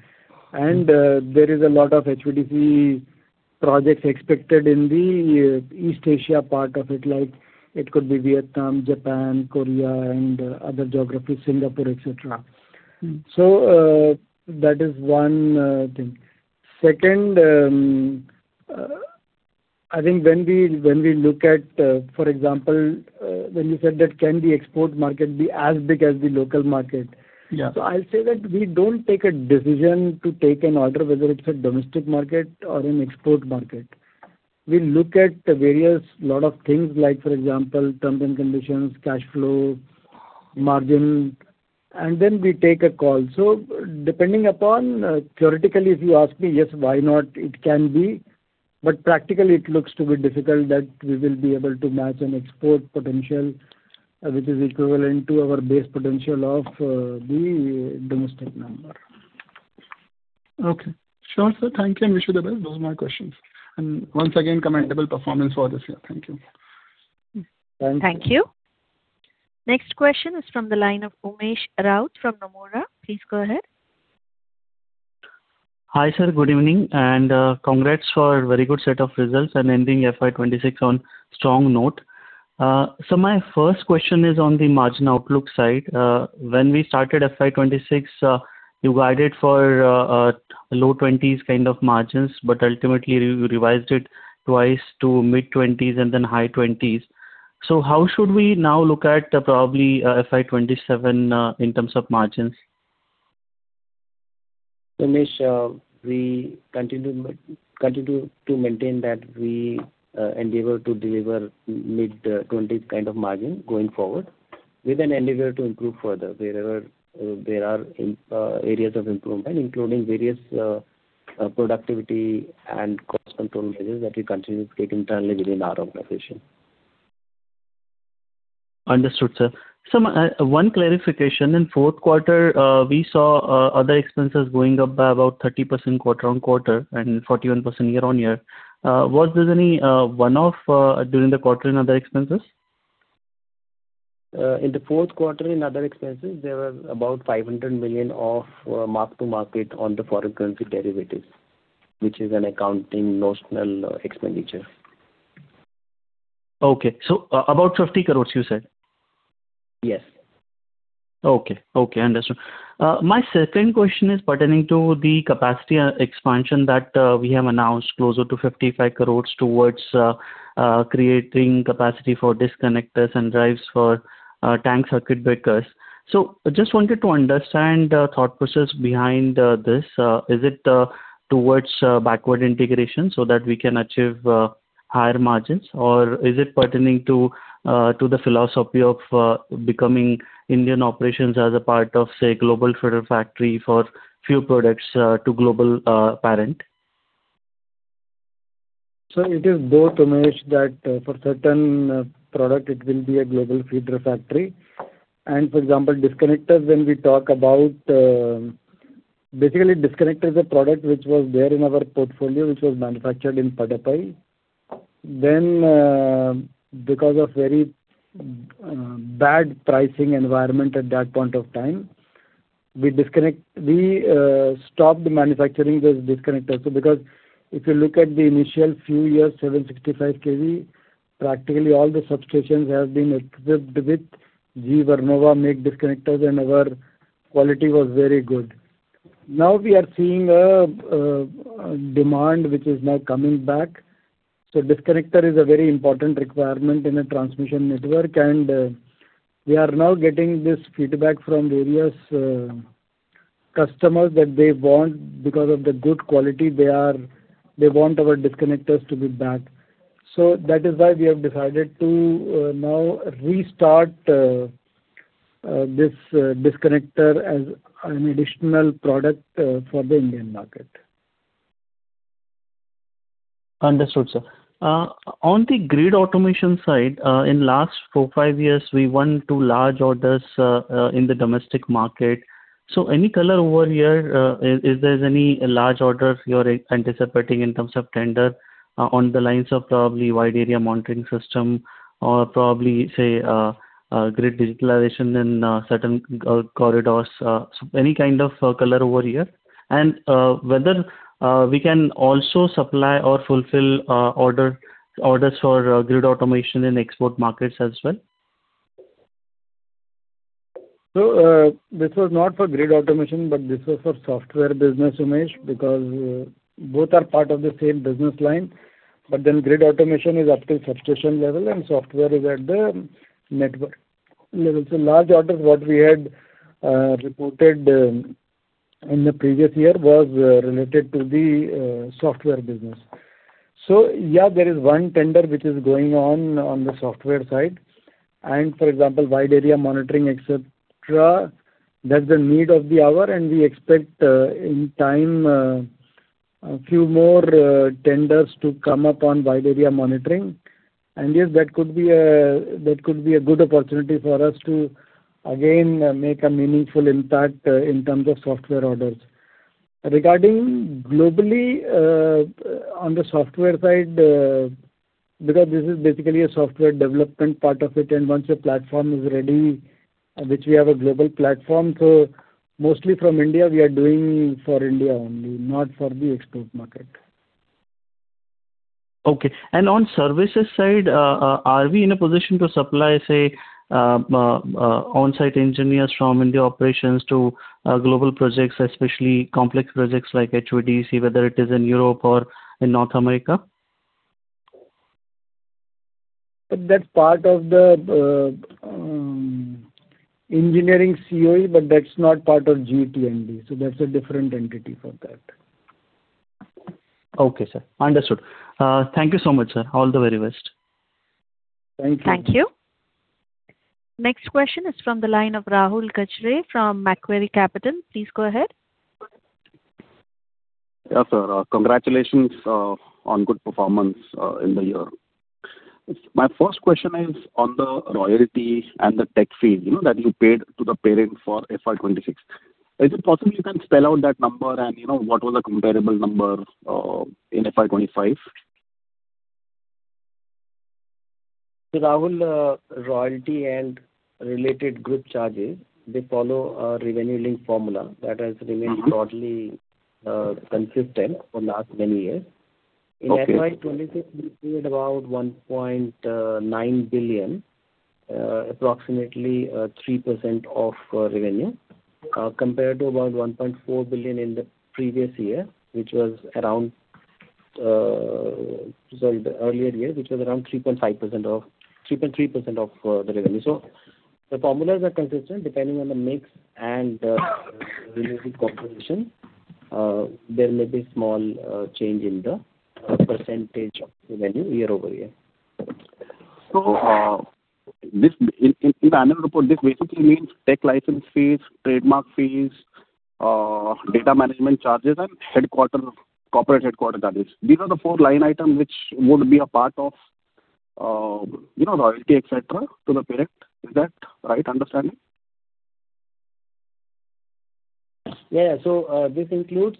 There is a lot of HVDC projects expected in the East Asia part of it, like it could be Vietnam, Japan, Korea and other geographies, Singapore, et cetera. That is one thing. Second, I think when we look at, for example, when you said that can the export market be as big as the local market. Yeah. I'll say that we don't take a decision to take an order, whether it's a domestic market or an export market. We look at various lot of things like, for example, terms and conditions, cash flow, margin, and then we take a call. Depending upon, theoretically, if you ask me, yes, why not? It can be. Practically it looks to be difficult that we will be able to match an export potential, which is equivalent to our base potential of the domestic number. Okay. Sure, sir. Thank you and wish you the best. Those are my questions. Once again, commendable performance for this year. Thank you. Thank you. Thank you. Next question is from the line of Umesh Raut from Nomura. Please go ahead. Hi, sir. Good evening. Congrats for a very good set of results and ending FY 2026 on strong note. My first question is on the margin outlook side. When we started FY 2026, you guided for low 20s kind of margins, but ultimately you revised it twice to mid-20s and then high 20s. How should we now look at probably FY 2027 in terms of margins? Umesh, we continue to maintain that we endeavor to deliver mid-twenties kind of margin going forward. We endeavor to improve further wherever there are areas of improvement, including various productivity and cost control measures that we continue to take internally within our organization. Understood, sir. One clarification. In fourth quarter, we saw other expenses going up by about 30% quarter-on-quarter and 41% year-on-year. Was there any one-off during the quarter in other expenses? In the fourth quarter, in other expenses, there were about 500 million of mark to market on the foreign currency derivatives, which is an accounting notional expenditure. Okay. about 50 crores you said? Yes. Okay. Okay, understood. My second question is pertaining to the capacity expansion that we have announced closer to 55 crores towards creating capacity for disconnectors and drives for tank circuit breakers. Just wanted to understand the thought process behind this. Is it towards backward integration so that we can achieve higher margins? Or is it pertaining to the philosophy of becoming Indian operations as a part of, say, global feeder factory for few products to global parent? It is both, Umesh, that for certain product it will be a global feeder factory. For example, disconnectors, when we talk about, disconnector is a product which was there in our portfolio, which was manufactured in Padappai. Because of very bad pricing environment at that point of time, we stopped manufacturing those disconnectors. Because if you look at the initial few years, 765 kV. Practically all the substations have been equipped with GE Vernova make disconnectors, and our quality was very good. We are seeing a demand which is now coming back. Disconnector is a very important requirement in a transmission network, and we are now getting this feedback from various customers that Because of the good quality they want our disconnectors to be back. That is why we have decided to now restart this disconnector as an additional product for the Indian market. Understood, sir. On the grid automation side, in last four, five years, we won two large orders in the domestic market. Any color over here, is there any large orders you are anticipating in terms of tender, on the lines of probably wide area monitoring system or probably, say, a grid digitalization in certain corridors? Any kind of color over here, and whether we can also supply or fulfill orders for grid automation in export markets as well. This was not for grid automation, but this was for software business, Umesh, because both are part of the same business line. Grid automation is up to substation level and software is at the network level. Large orders, what we had reported in the previous year was related to the software business. There is one tender which is going on the software side. For example, wide area monitoring, et cetera, that's the need of the hour and we expect in time a few more tenders to come up on wide area monitoring. That could be a good opportunity for us to again make a meaningful impact in terms of software orders. Regarding globally, on the software side, because this is basically a software development part of it, and once the platform is ready, which we have a global platform, so mostly from India, we are doing for India only, not for the export market. Okay. On services side, are we in a position to supply, say, on-site engineers from India operations to global projects, especially complex projects like HVDC, whether it is in Europe or in North America? That's part of the engineering COE, but that's not part of GE T&D, so there's a different entity for that. Okay, sir. Understood. Thank you so much, sir. All the very best. Thank you. Thank you. Next question is from the line of Rahul Gajare from Macquarie Capital. Please go ahead. Yeah, sir. Congratulations, on good performance, in the year. My first question is on the royalty and the tech fee, you know, that you paid to the parent for FY 2026. Is it possible you can spell out that number and, you know, what was the comparable number, in FY 2025? Rahul, royalty and related group charges, they follow a revenue link formula that has remained broadly consistent for the last many years. Okay. In FY 2026, we paid about 1.9 billion, approximately 3% of revenue, compared to about 1.4 billion in the previous year, which was around Sorry, the earlier year, which was around 3.3% of the revenue. The formulas are consistent depending on the mix and revenue composition. There may be small change in the percentage of revenue year-over-year. In the annual report, this basically means tech license fees, trademark fees, data management charges and corporate headquarter charges. These are the four line items which would be a part of, you know, royalty, et cetera, to the parent. Is that right understanding? Yeah, yeah. This includes,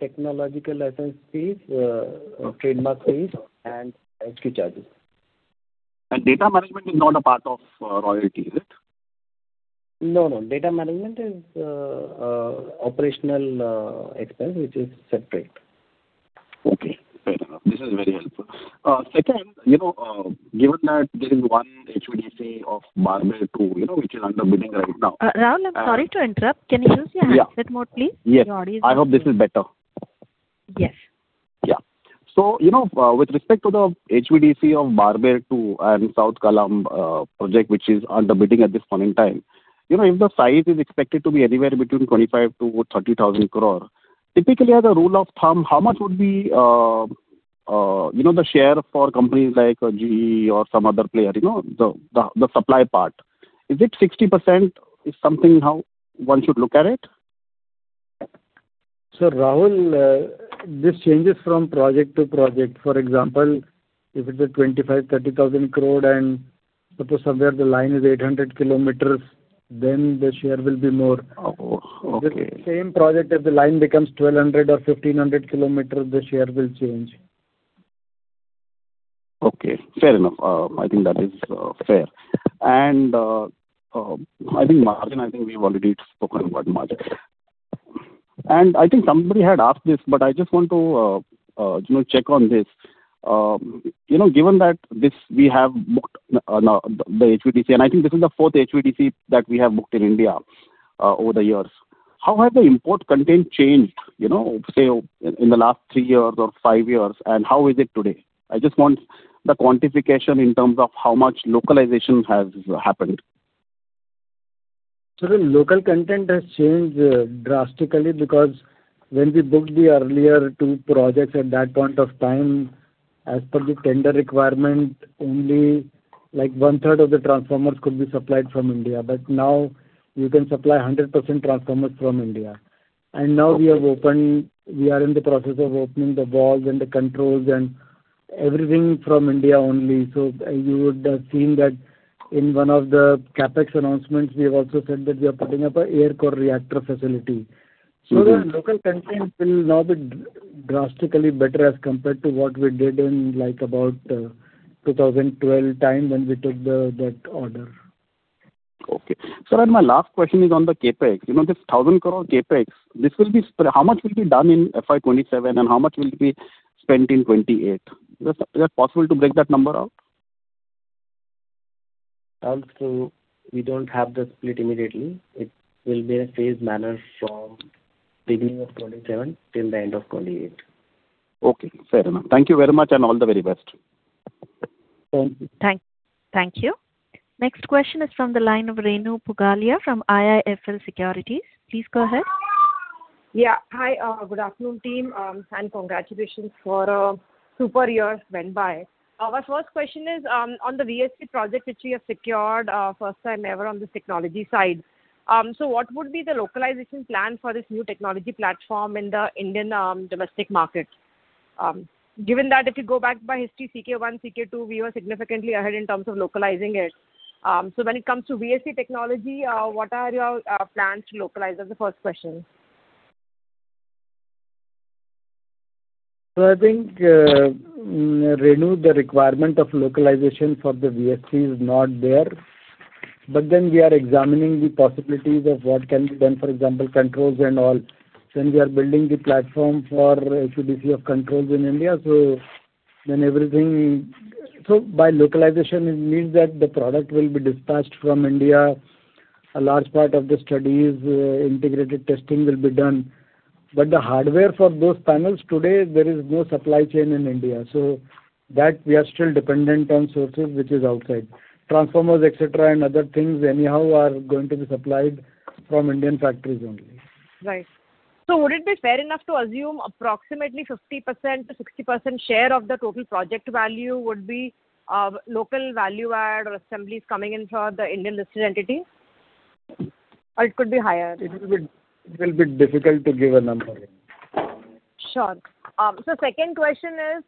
technological license fees, Okay. Trademark fees and HQ charges. Data management is not a part of royalty, is it? No, no. Data management is operational expense, which is separate. Okay, fair enough. This is very helpful. Second, you know, given that there is one HVDC of Barmer to, you know, which is under bidding right now. Rahul, I'm sorry to interrupt. Can you raise your handset mode, please? Yeah. Your audio is- Yes. I hope this is better. Yes. Yeah. You know, with respect to the HVDC of Barmer to South Kalamb project, which is under bidding at this point in time. You know, if the size is expected to be anywhere between 25,000 crore-30,000 crore, typically as a rule of thumb, how much would be, you know, the share for companies like GE or some other player, you know, the supply part? Is it 60% is something how one should look at it? Rahul, this changes from project to project. For example, if it is 25,000 crore, 30,000 crore and suppose somewhere the line is 800 kilometers, then the share will be more. Oh, okay. The same project, if the line becomes 1,200 or 1,500 km, the share will change. Okay, fair enough. I think that is fair. I think margin, I think we've already spoken about margin. I think somebody had asked this, but I just want to, you know, check on this. You know, given that this we have booked, now the HVDC, and I think this is the fourth HVDC that we have booked in India, over the years. How has the import content changed, you know, say, in the last three years or five years, and how is it today? I just want the quantification in terms of how much localization has happened. The local content has changed drastically because when we booked the earlier two projects at that point of time, as per the tender requirement, only like one-third of the transformers could be supplied from India. Now you can supply 100% transformers from India. Now we are in the process of opening the valves and the controls and everything from India only. You would have seen that in one of the CapEx announcements, we have also said that we are putting up a air core reactor facility. The local content will now be drastically better as compared to what we did in, like about, 2012 time when we took that order. Okay. Sir, my last question is on the CapEx. You know, this 1,000 crore CapEx, how much will be done in FY 2027 and how much will be spent in 2028? Is that possible to break that number out? We don't have the split immediately. It will be a phased manner from beginning of 2027 till the end of 2028. Okay. Fair enough. Thank you very much and all the very best. Thank you. Thank you. Next question is from the line of Renu Pugalia from IIFL Securities. Please go ahead. Hi. Good afternoon, team. Congratulations for a super year went by. Our first question is on the VSC project which we have secured, first time ever on this technology side. What would be the localization plan for this new technology platform in the Indian domestic market? Given that if you go back by history, CK-1, CK-2, we were significantly ahead in terms of localizing it. When it comes to VSC technology, what are your plans to localize? That's the first question. I think, Renu, the requirement of localization for the VSC is not there. We are examining the possibilities of what can be done, for example, controls and all. We are building the platform for HVDC of controls in India, everything. By localization it means that the product will be dispatched from India. A large part of the studies, integrated testing will be done. The hardware for those panels today, there is no supply chain in India, so that we are still dependent on sources which is outside. Transformers, et cetera, and other things anyhow are going to be supplied from Indian factories only. Right. Would it be fair enough to assume approximately 50%-60% share of the total project value would be local value add or assemblies coming in for the Indian listed entity? Or it could be higher. It will be difficult to give a number. Sure. Second question is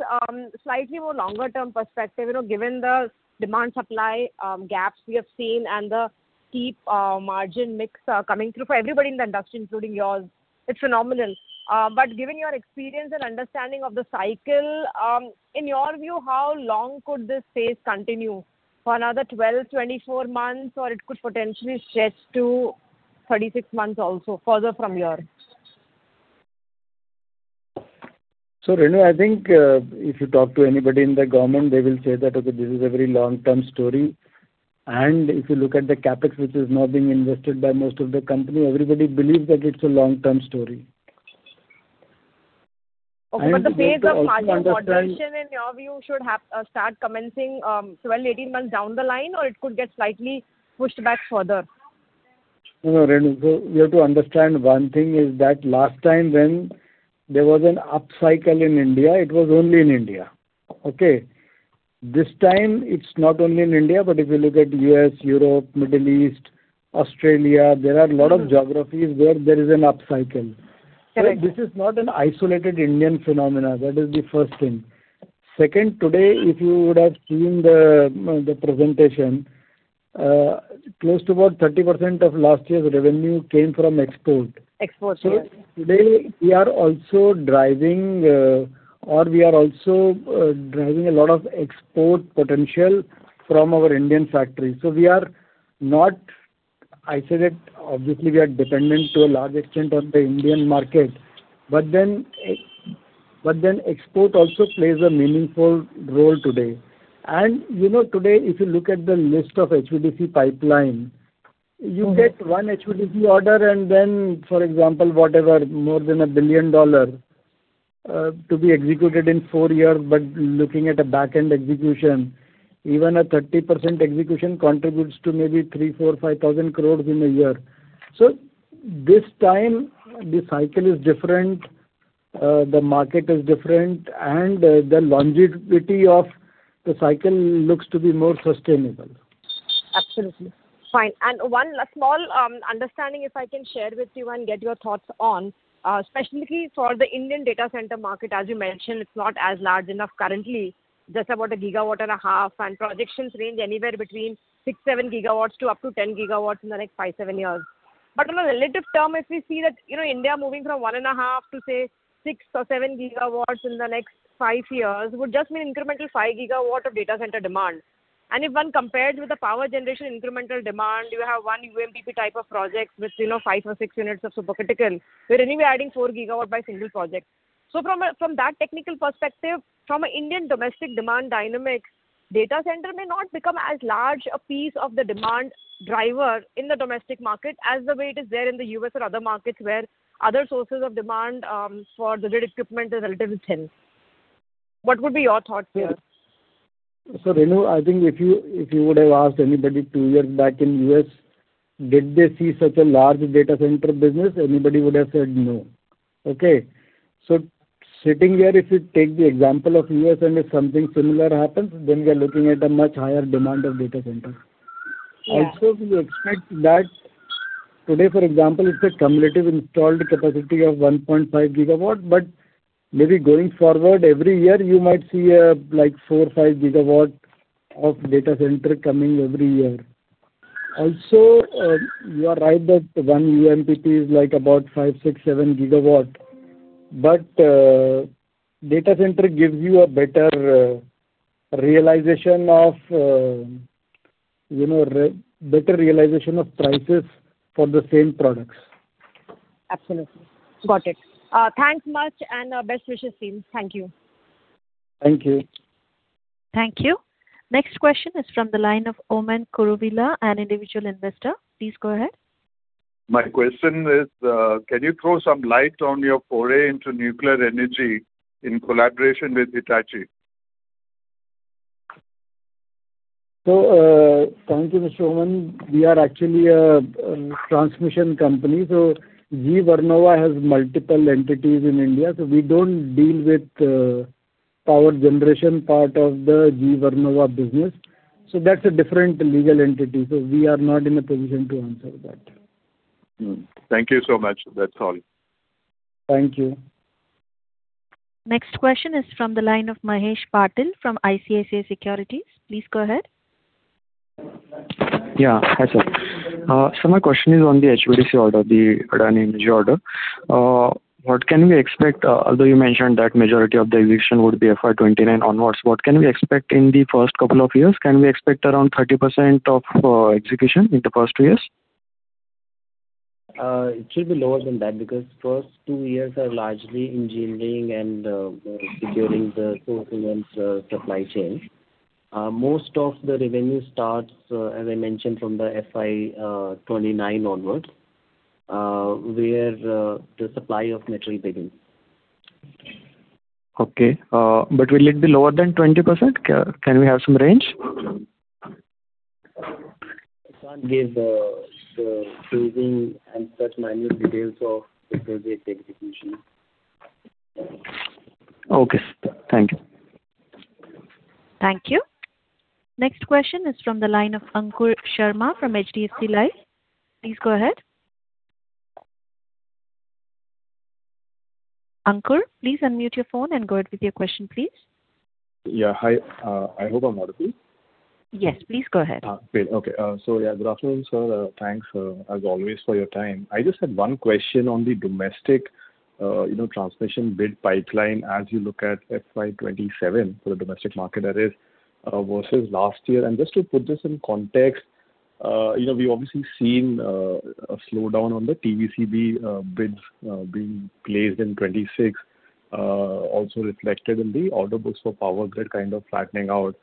slightly more longer term perspective. You know, given the demand supply gaps we have seen and the steep margin mix coming through for everybody in the industry, including yours, it's phenomenal. Given your experience and understanding of the cycle, in your view, how long could this phase continue? For another 12, 24 months, or it could potentially stretch to 36 months also, further from here? Renu, I think, if you talk to anybody in the government, they will say that, okay, this is a very long-term story. If you look at the CapEx, which is now being invested by most of the company, everybody believes that it's a long-term story. Okay. The phase of margin moderation, in your view, should have start commencing, 12-18 months down the line, or it could get slightly pushed back further? No, no, Renu. You have to understand one thing is that last time when there was an upcycle in India, it was only in India. Okay. This time it's not only in India, but if you look at U.S., Europe, Middle East, Australia, there are a lot of geographies where there is an upcycle. Correct. This is not an isolated Indian phenomena. That is the first thing. Second, today, if you would have seen the presentation, close to about 30% of last year's revenue came from export. Export, sure. Today we are also driving a lot of export potential from our Indian factory. We are not isolated. Obviously, we are dependent to a large extent on the Indian market. Export also plays a meaningful role today. You know, today, if you look at the list of HVDC pipeline. Get one HVDC order for example, whatever, more than INR 1 billion to be executed in four years. Looking at a back-end execution, even a 30% execution contributes to maybe 3,000 crore, 4,000 crore, 5,000 crore in a year. This time the cycle is different, the market is different, and the longevity of the cycle looks to be more sustainable. Absolutely. Fine. One small understanding, if I can share with you and get your thoughts on, specifically for the Indian data center market, as you mentioned, it's not as large enough currently, just about 1.5 GW, and projections range anywhere between 6 GW, 7 GW to up to 10 GW in the next five, seven years. On a relative term, if we see that, you know, India moving from 1.5 GW to, say, 6 GW or 7 GW in the next five years would just mean incremental 5 GW of data center demand. If one compared with the power generation incremental demand, you have one UMPP type of projects which, you know, five or six units of super critical. We're anyway adding 4 GW by single project. From that technical perspective, from a Indian domestic demand dynamics, data center may not become as large a piece of the demand driver in the domestic market as the way it is there in the U.S. or other markets where other sources of demand for the grid equipment is relatively thin. What would be your thoughts here? Renu, I think if you would have asked anybody two years back in U.S., did they see such a large data center business, anybody would have said no. Okay. Sitting here, if you take the example of U.S., and if something similar happens, then we are looking at a much higher demand of data center. Yeah. We expect that today, for example, it's a cumulative installed capacity of 1.5 GW, but maybe going forward every year you might see a, like 4 GW, 5 GW of data center coming every year. You are right that one UMPP is like about 5 GW, 6 GW, 7 GW. Data center gives you a better realization of, you know, better realization of prices for the same products. Absolutely. Got it. Thanks much and best wishes, team. Thank you. Thank you. Thank you. Next question is from the line of Oommen Kuruvilla, an individual investor. Please go ahead. My question is, can you throw some light on your foray into nuclear energy in collaboration with Hitachi? Thank you, Mr. Oommen. We are actually a transmission company. GE Vernova has multiple entities in India, so we don't deal with, power generation part of the GE Vernova business, so that's a different legal entity. We are not in a position to answer that. Thank you so much. That's all. Thank you. Next question is from the line of Mahesh Patil from ICICI Securities. Please go ahead. Yeah. Hi, sir. So my question is on the HVDC order, the Adani Energy order. What can we expect Although you mentioned that majority of the execution would be FY 2029 onwards, what can we expect in the first couple of years? Can we expect around 30% of execution in the first two years? It should be lower than that because first two years are largely engineering and securing the components supply chain. Most of the revenue starts, as I mentioned, from the FY 2029 onwards, where the supply of material begins. Okay. Will it be lower than 20%? Can we have some range? I can't give, the phasing and such minute details of the project execution. Okay. Thank you. Thank you. Next question is from the line of Ankur Sharma from HDFC Life. Please go ahead. Ankur, please unmute your phone and go ahead with your question, please. Hi. I hope I'm audible. Yes, please go ahead. Great. Okay. Good afternoon, sir. Thanks, as always for your time. I just had one question on the domestic, you know, transmission bid pipeline as you look at FY 2027 for the domestic market that is, versus last year. Just to put this in context, you know, we've obviously seen a slowdown on the TBCB bids being placed in 2026, also reflected in the order books for power grid kind of flattening out.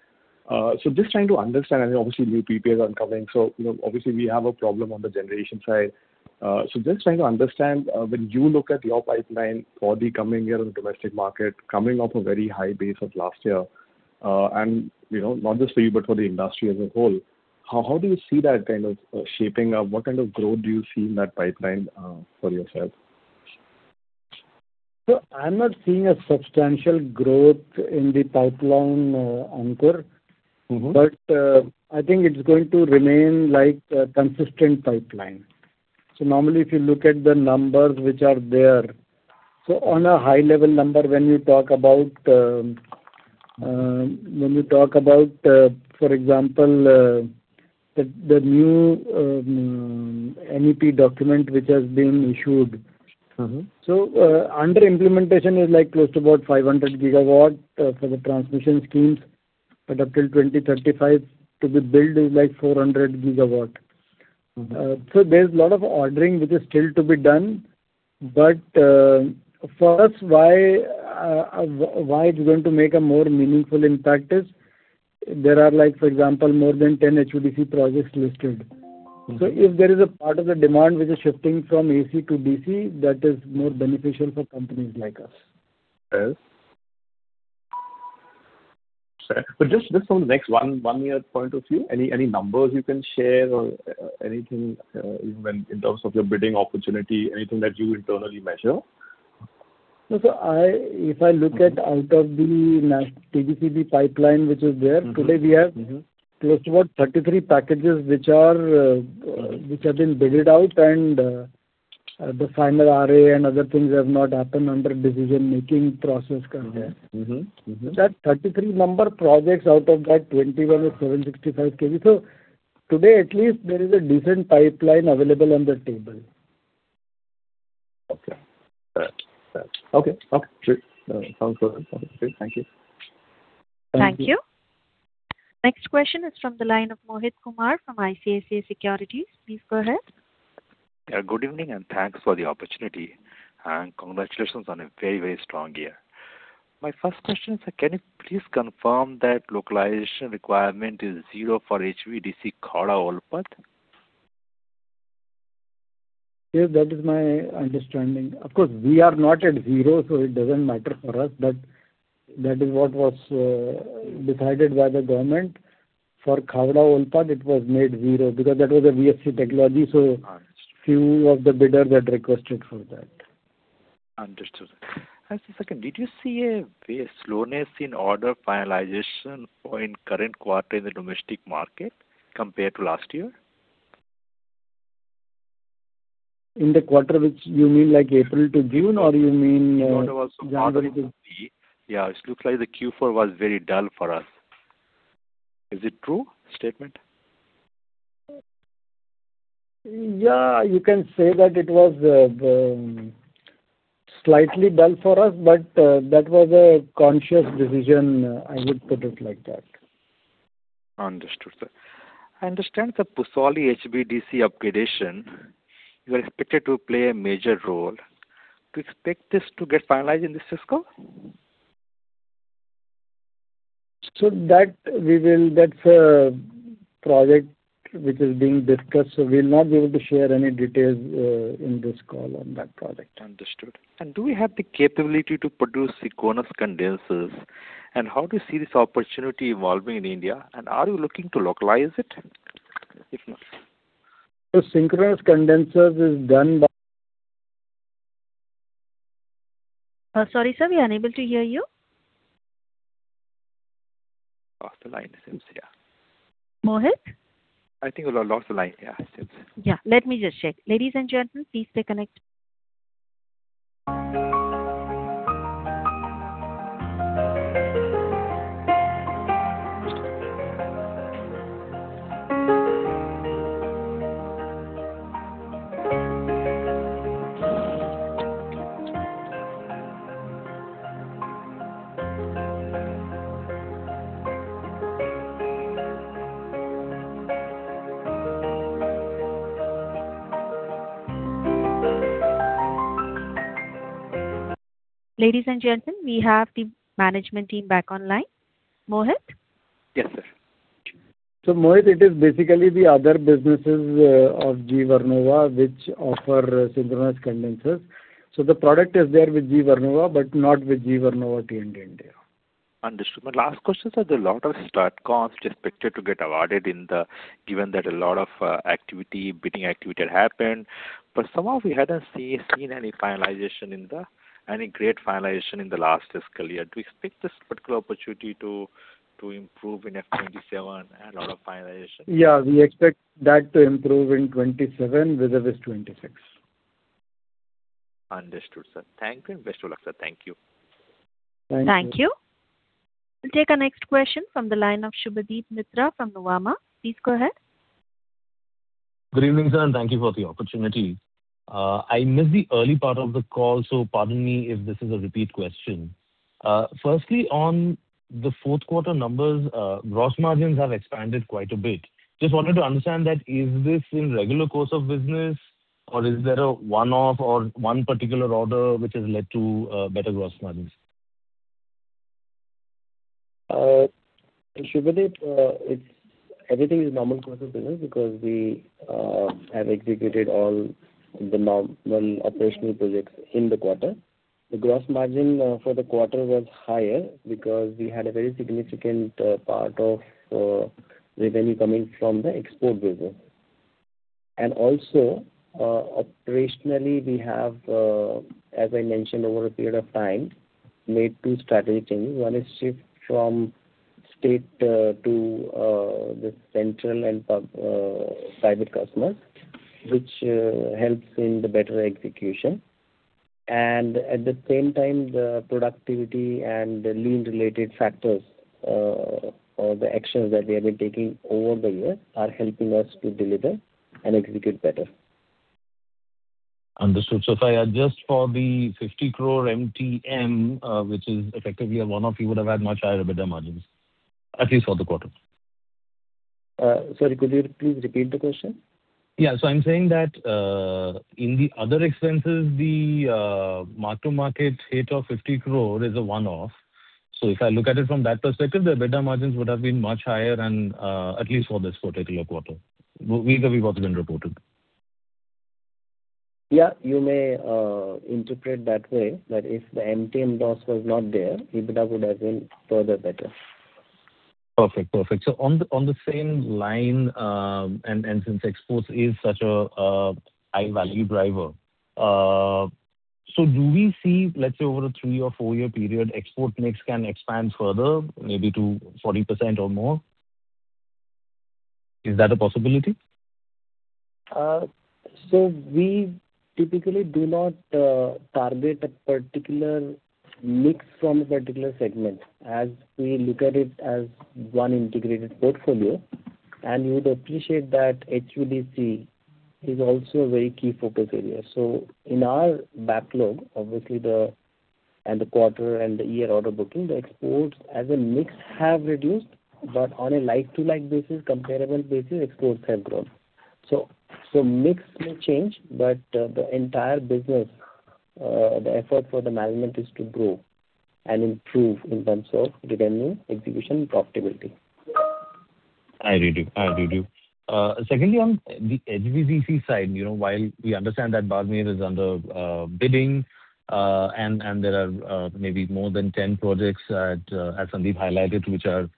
Just trying to understand, I know obviously new PPAs are coming, you know, obviously we have a problem on the generation side. Just trying to understand, when you look at your pipeline for the coming year in the domestic market, coming off a very high base of last year, and you know, not just for you, but for the industry as a whole, how do you see that kind of shaping up? What kind of growth do you see in that pipeline for yourself? I'm not seeing a substantial growth in the pipeline, Ankur. I think it's going to remain like a consistent pipeline. Normally if you look at the numbers which are there. On a high level number, when we talk about, for example, the new NEP document which has been issued. Under implementation is like close to about 500 GW for the transmission schemes, but up till 2035 to be built is like 400 GW. There's a lot of ordering which is still to be done. For us, why it's going to make a more meaningful impact is there are like, for example, more than 10 HVDC projects listed. If there is a part of the demand which is shifting from AC to DC, that is more beneficial for companies like us. Yes. Just from the next one year point of view, any numbers you can share or anything, even in terms of your bidding opportunity, anything that you internally measure? No. If I look at out of the TBCB pipeline which is there. Today we have, close to about 33 packages which are which have been bidded out and the final RA and other things have not happened under decision-making process currently. Mm-hmm. Mm-hmm. That 33 number projects out of that 21 are 765 kV. Today at least there is a decent pipeline available on the table. Okay. All right. Okay, okay, sure. No, sounds good. Okay, thank you. Thank you. Next question is from the line of Mohit Kumar from ICICI Securities. Please go ahead. Yeah, good evening, and thanks for the opportunity, and congratulations on a very, very strong year. My first question is that can you please confirm that localization requirement is zero for HVDC Khavda-Olpad? Yes, that is my understanding. Of course, we are not at zero, so it doesn't matter for us. That is what was decided by the government. For Khavda-Olpad it was made zero because that was a VSC technology. All right. Few of the bidders had requested for that. Understood. Second, did you see a slowness in order finalization or in current quarter in the domestic market compared to last year? In the quarter which You mean like April to June or you mean? Quarter was January to- Yeah, it looks like the Q4 was very dull for us. Is it true statement? Yeah, you can say that it was, slightly dull for us, but, that was a conscious decision, I would put it like that. Understood, sir. I understand the Pusauli HVDC upgradation is expected to play a major role. Do you expect this to get finalized in this fiscal? That's a project which is being discussed, so we'll not be able to share any details in this call on that project. Understood. Do we have the capability to produce synchronous condensers? How do you see this opportunity evolving in India? Are you looking to localize it? Synchronous condensers is done by... Sorry, sir. We are unable to hear you. Lost the line it seems, yeah. Mohit? I think we lost the line. It seems so. Let me just check. Ladies and gentlemen, please stay connected. Ladies and gentlemen, we have the management team back online. Mohit? Yes, sir. Mohit, it is basically the other businesses of GE Vernova which offer synchronous condensers. The product is there with GE Vernova but not with GE Vernova T&D India. Understood. My last question, sir. There are lot of STATCOMs expected to get awarded in the given that a lot of activity, bidding activity had happened. Somehow we hadn't seen any finalization in any great finalization in the last fiscal year. Do you expect this particular opportunity to improve in FY 2027 and a lot of finalization? Yeah, we expect that to improve in 2027 vis-a-vis 2026. Understood, sir. Thank you and best of luck, sir. Thank you. Thank you. Thank you. We'll take our next question from the line of Subhadip Mitra from Nuvama. Please go ahead. Good evening, sir, thank you for the opportunity. I missed the early part of the call, so pardon me if this is a repeat question. Firstly, on the fourth quarter numbers, gross margins have expanded quite a bit. Just wanted to understand that is this in regular course of business or is there a one-off or one particular order which has led to better gross margins? Subhadip, everything is normal course of business because we have executed all the normal operational projects in the quarter. The gross margin for the quarter was higher because we had a very significant part of revenue coming from the export business. Operationally, we have, as I mentioned over a period of time, made two strategy changes. One is shift from state to the central and private customers, which helps in the better execution. At the same time, the productivity and the lean related factors or the actions that we have been taking over the year are helping us to deliver and execute better. Understood. If I adjust for the 50 crore MTM, which is effectively a one-off, you would have had much higher EBITDA margins, at least for the quarter. Sorry, could you please repeat the question? Yeah. I'm saying that, in the other expenses, the mark-to-market hit of 50 crore is a one-off. If I look at it from that perspective, the EBITDA margins would have been much higher and, at least for this particular quarter vis-a-vis what has been reported. Yeah. You may, interpret that way, that if the MTM loss was not there, EBITDA would have been further better. Perfect. Perfect. On the same line, and since exports is such a high value driver, do we see, let's say over a three or four-year period, export mix can expand further maybe to 40% or more? Is that a possibility? We typically do not target a particular mix from a particular segment as we look at it as one integrated portfolio. You would appreciate that HVDC is also a very key focus area. In our backlog, obviously the quarter and the year order booking, the exports as a mix have reduced, but on a like-to-like basis, comparable basis, exports have grown. Mix may change, but the entire business, the effort for the management is to grow and improve in terms of revenue, execution, and profitability. I agree, do. Secondly, on the HVDC side, you know, while we understand that Barmer is under bidding, and there are maybe more than 10 projects that as Sandeep highlighted, which are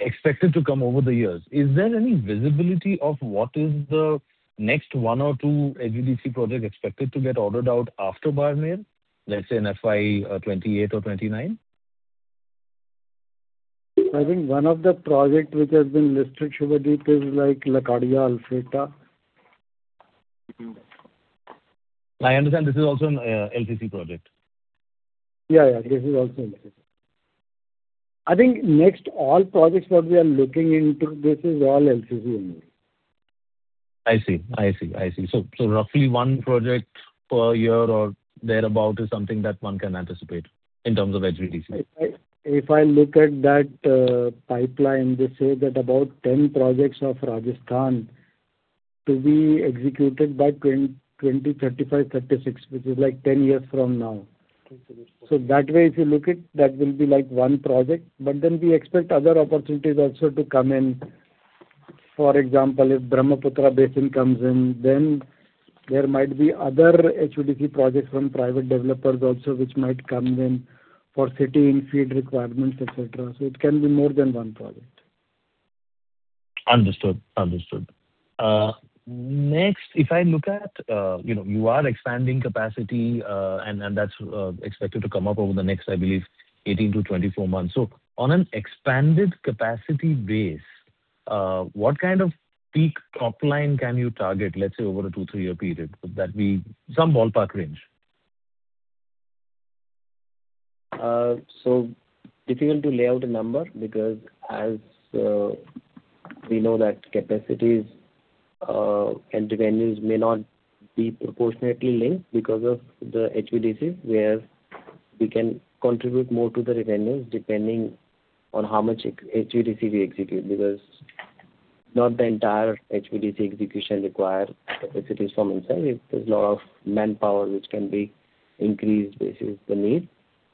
expected to come over the years. Is there any visibility of what is the next one or two HVDC project expected to get ordered out after Barmer, let's say in FY 2028 or 2029? I think one of the project which has been listed, Subhadip, is like Lakadia-Alephata. Mm-hmm. I understand this is also an LCC project. Yeah, yeah. This is also LCC. I think next all projects what we are looking into, this is all LCC only. I see. I see. I see. Roughly one project per year or thereabout is something that one can anticipate in terms of HVDC. If I look at that pipeline, they say that about 10 projects of Rajasthan to be executed by 2035-2036, which is like 10 years from now. Okay. That way, if you look it, that will be like one project. We expect other opportunities also to come in. For example, if Brahmaputra Basin comes in, there might be other HVDC projects from private developers also which might come in for city infeed requirements, et cetera. It can be more than one project. Understood. Understood. Next, if I look at, you know, you are expanding capacity, and that's expected to come up over the next, I believe, 18-24 months. On an expanded capacity base, what kind of peak top line can you target, let's say, over a two, three year period? Some ballpark range. Difficult to lay out a number because as we know that capacities and revenues may not be proportionately linked because of the HVDC, where we can contribute more to the revenues depending on how much HVDC we execute. Because not the entire HVDC execution require facilities from inside. There's lot of manpower which can be increased based on the need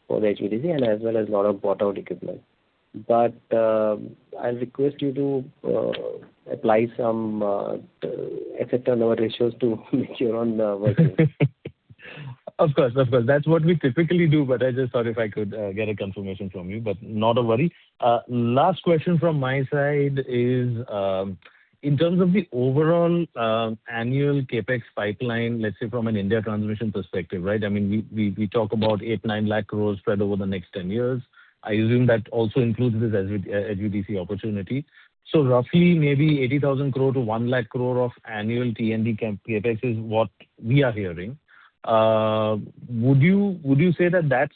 for the HVDC and as well as lot of bought-out equipment. I'll request you to apply some et cetera, lower ratios to make your own version. Of course. Of course. That's what we typically do, but I just thought if I could get a confirmation from you, but not a worry. Last question from my side is, in terms of the overall annual CapEx pipeline, let's say from an India transmission perspective, right? I mean, we talk about 8 lakh crores-9 lakh crores spread over the next 10 years. I assume that also includes this HVDC opportunity. Roughly maybe 80,000 crore-1 lakh crores of annual T&D CapEx is what we are hearing. Would you say that that's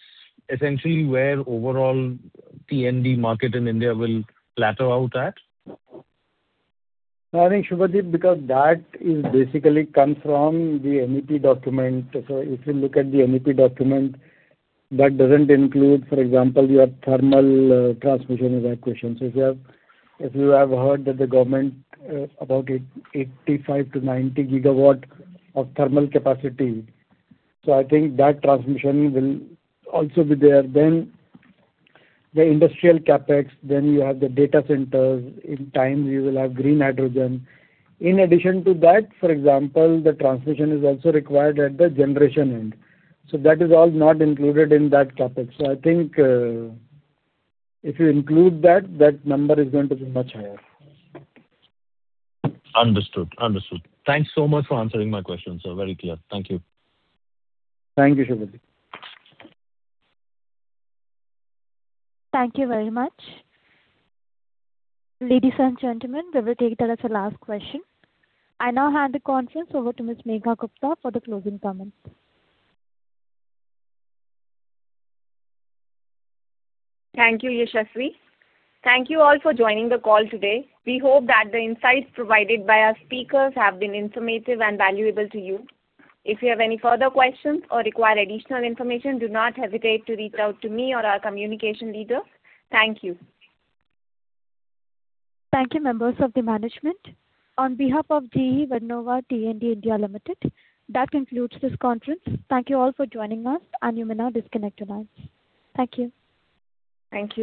essentially where overall T&D market in India will plateau out at? No, I think, Subhadip, because that is basically come from the NEP document. If you look at the NEP document, that doesn't include, for example, your thermal transmission evacuation. If you have heard that the government about 85 GW-90 GW of thermal capacity. I think that transmission will also be there. The industrial CapEx, then you have the data centers. In time you will have green hydrogen. In addition to that, for example, the transmission is also required at the generation end. That is all not included in that topic. I think, if you include that number is going to be much higher. Understood. Understood. Thanks so much for answering my questions, sir. Very clear. Thank you. Thank you, Subhadip. Thank you very much. Ladies and gentlemen, we will take that as the last question. I now hand the conference over to Ms. Megha Gupta for the closing comments. Thank you, Yashaswi. Thank you all for joining the call today. We hope that the insights provided by our speakers have been informative and valuable to you. If you have any further questions or require additional information, do not hesitate to reach out to me or our communication leader. Thank you. Thank you, members of the management. On behalf of GE Vernova T&D India Limited, that concludes this conference. Thank you all for joining us, and you may now disconnect your lines. Thank you. Thank you.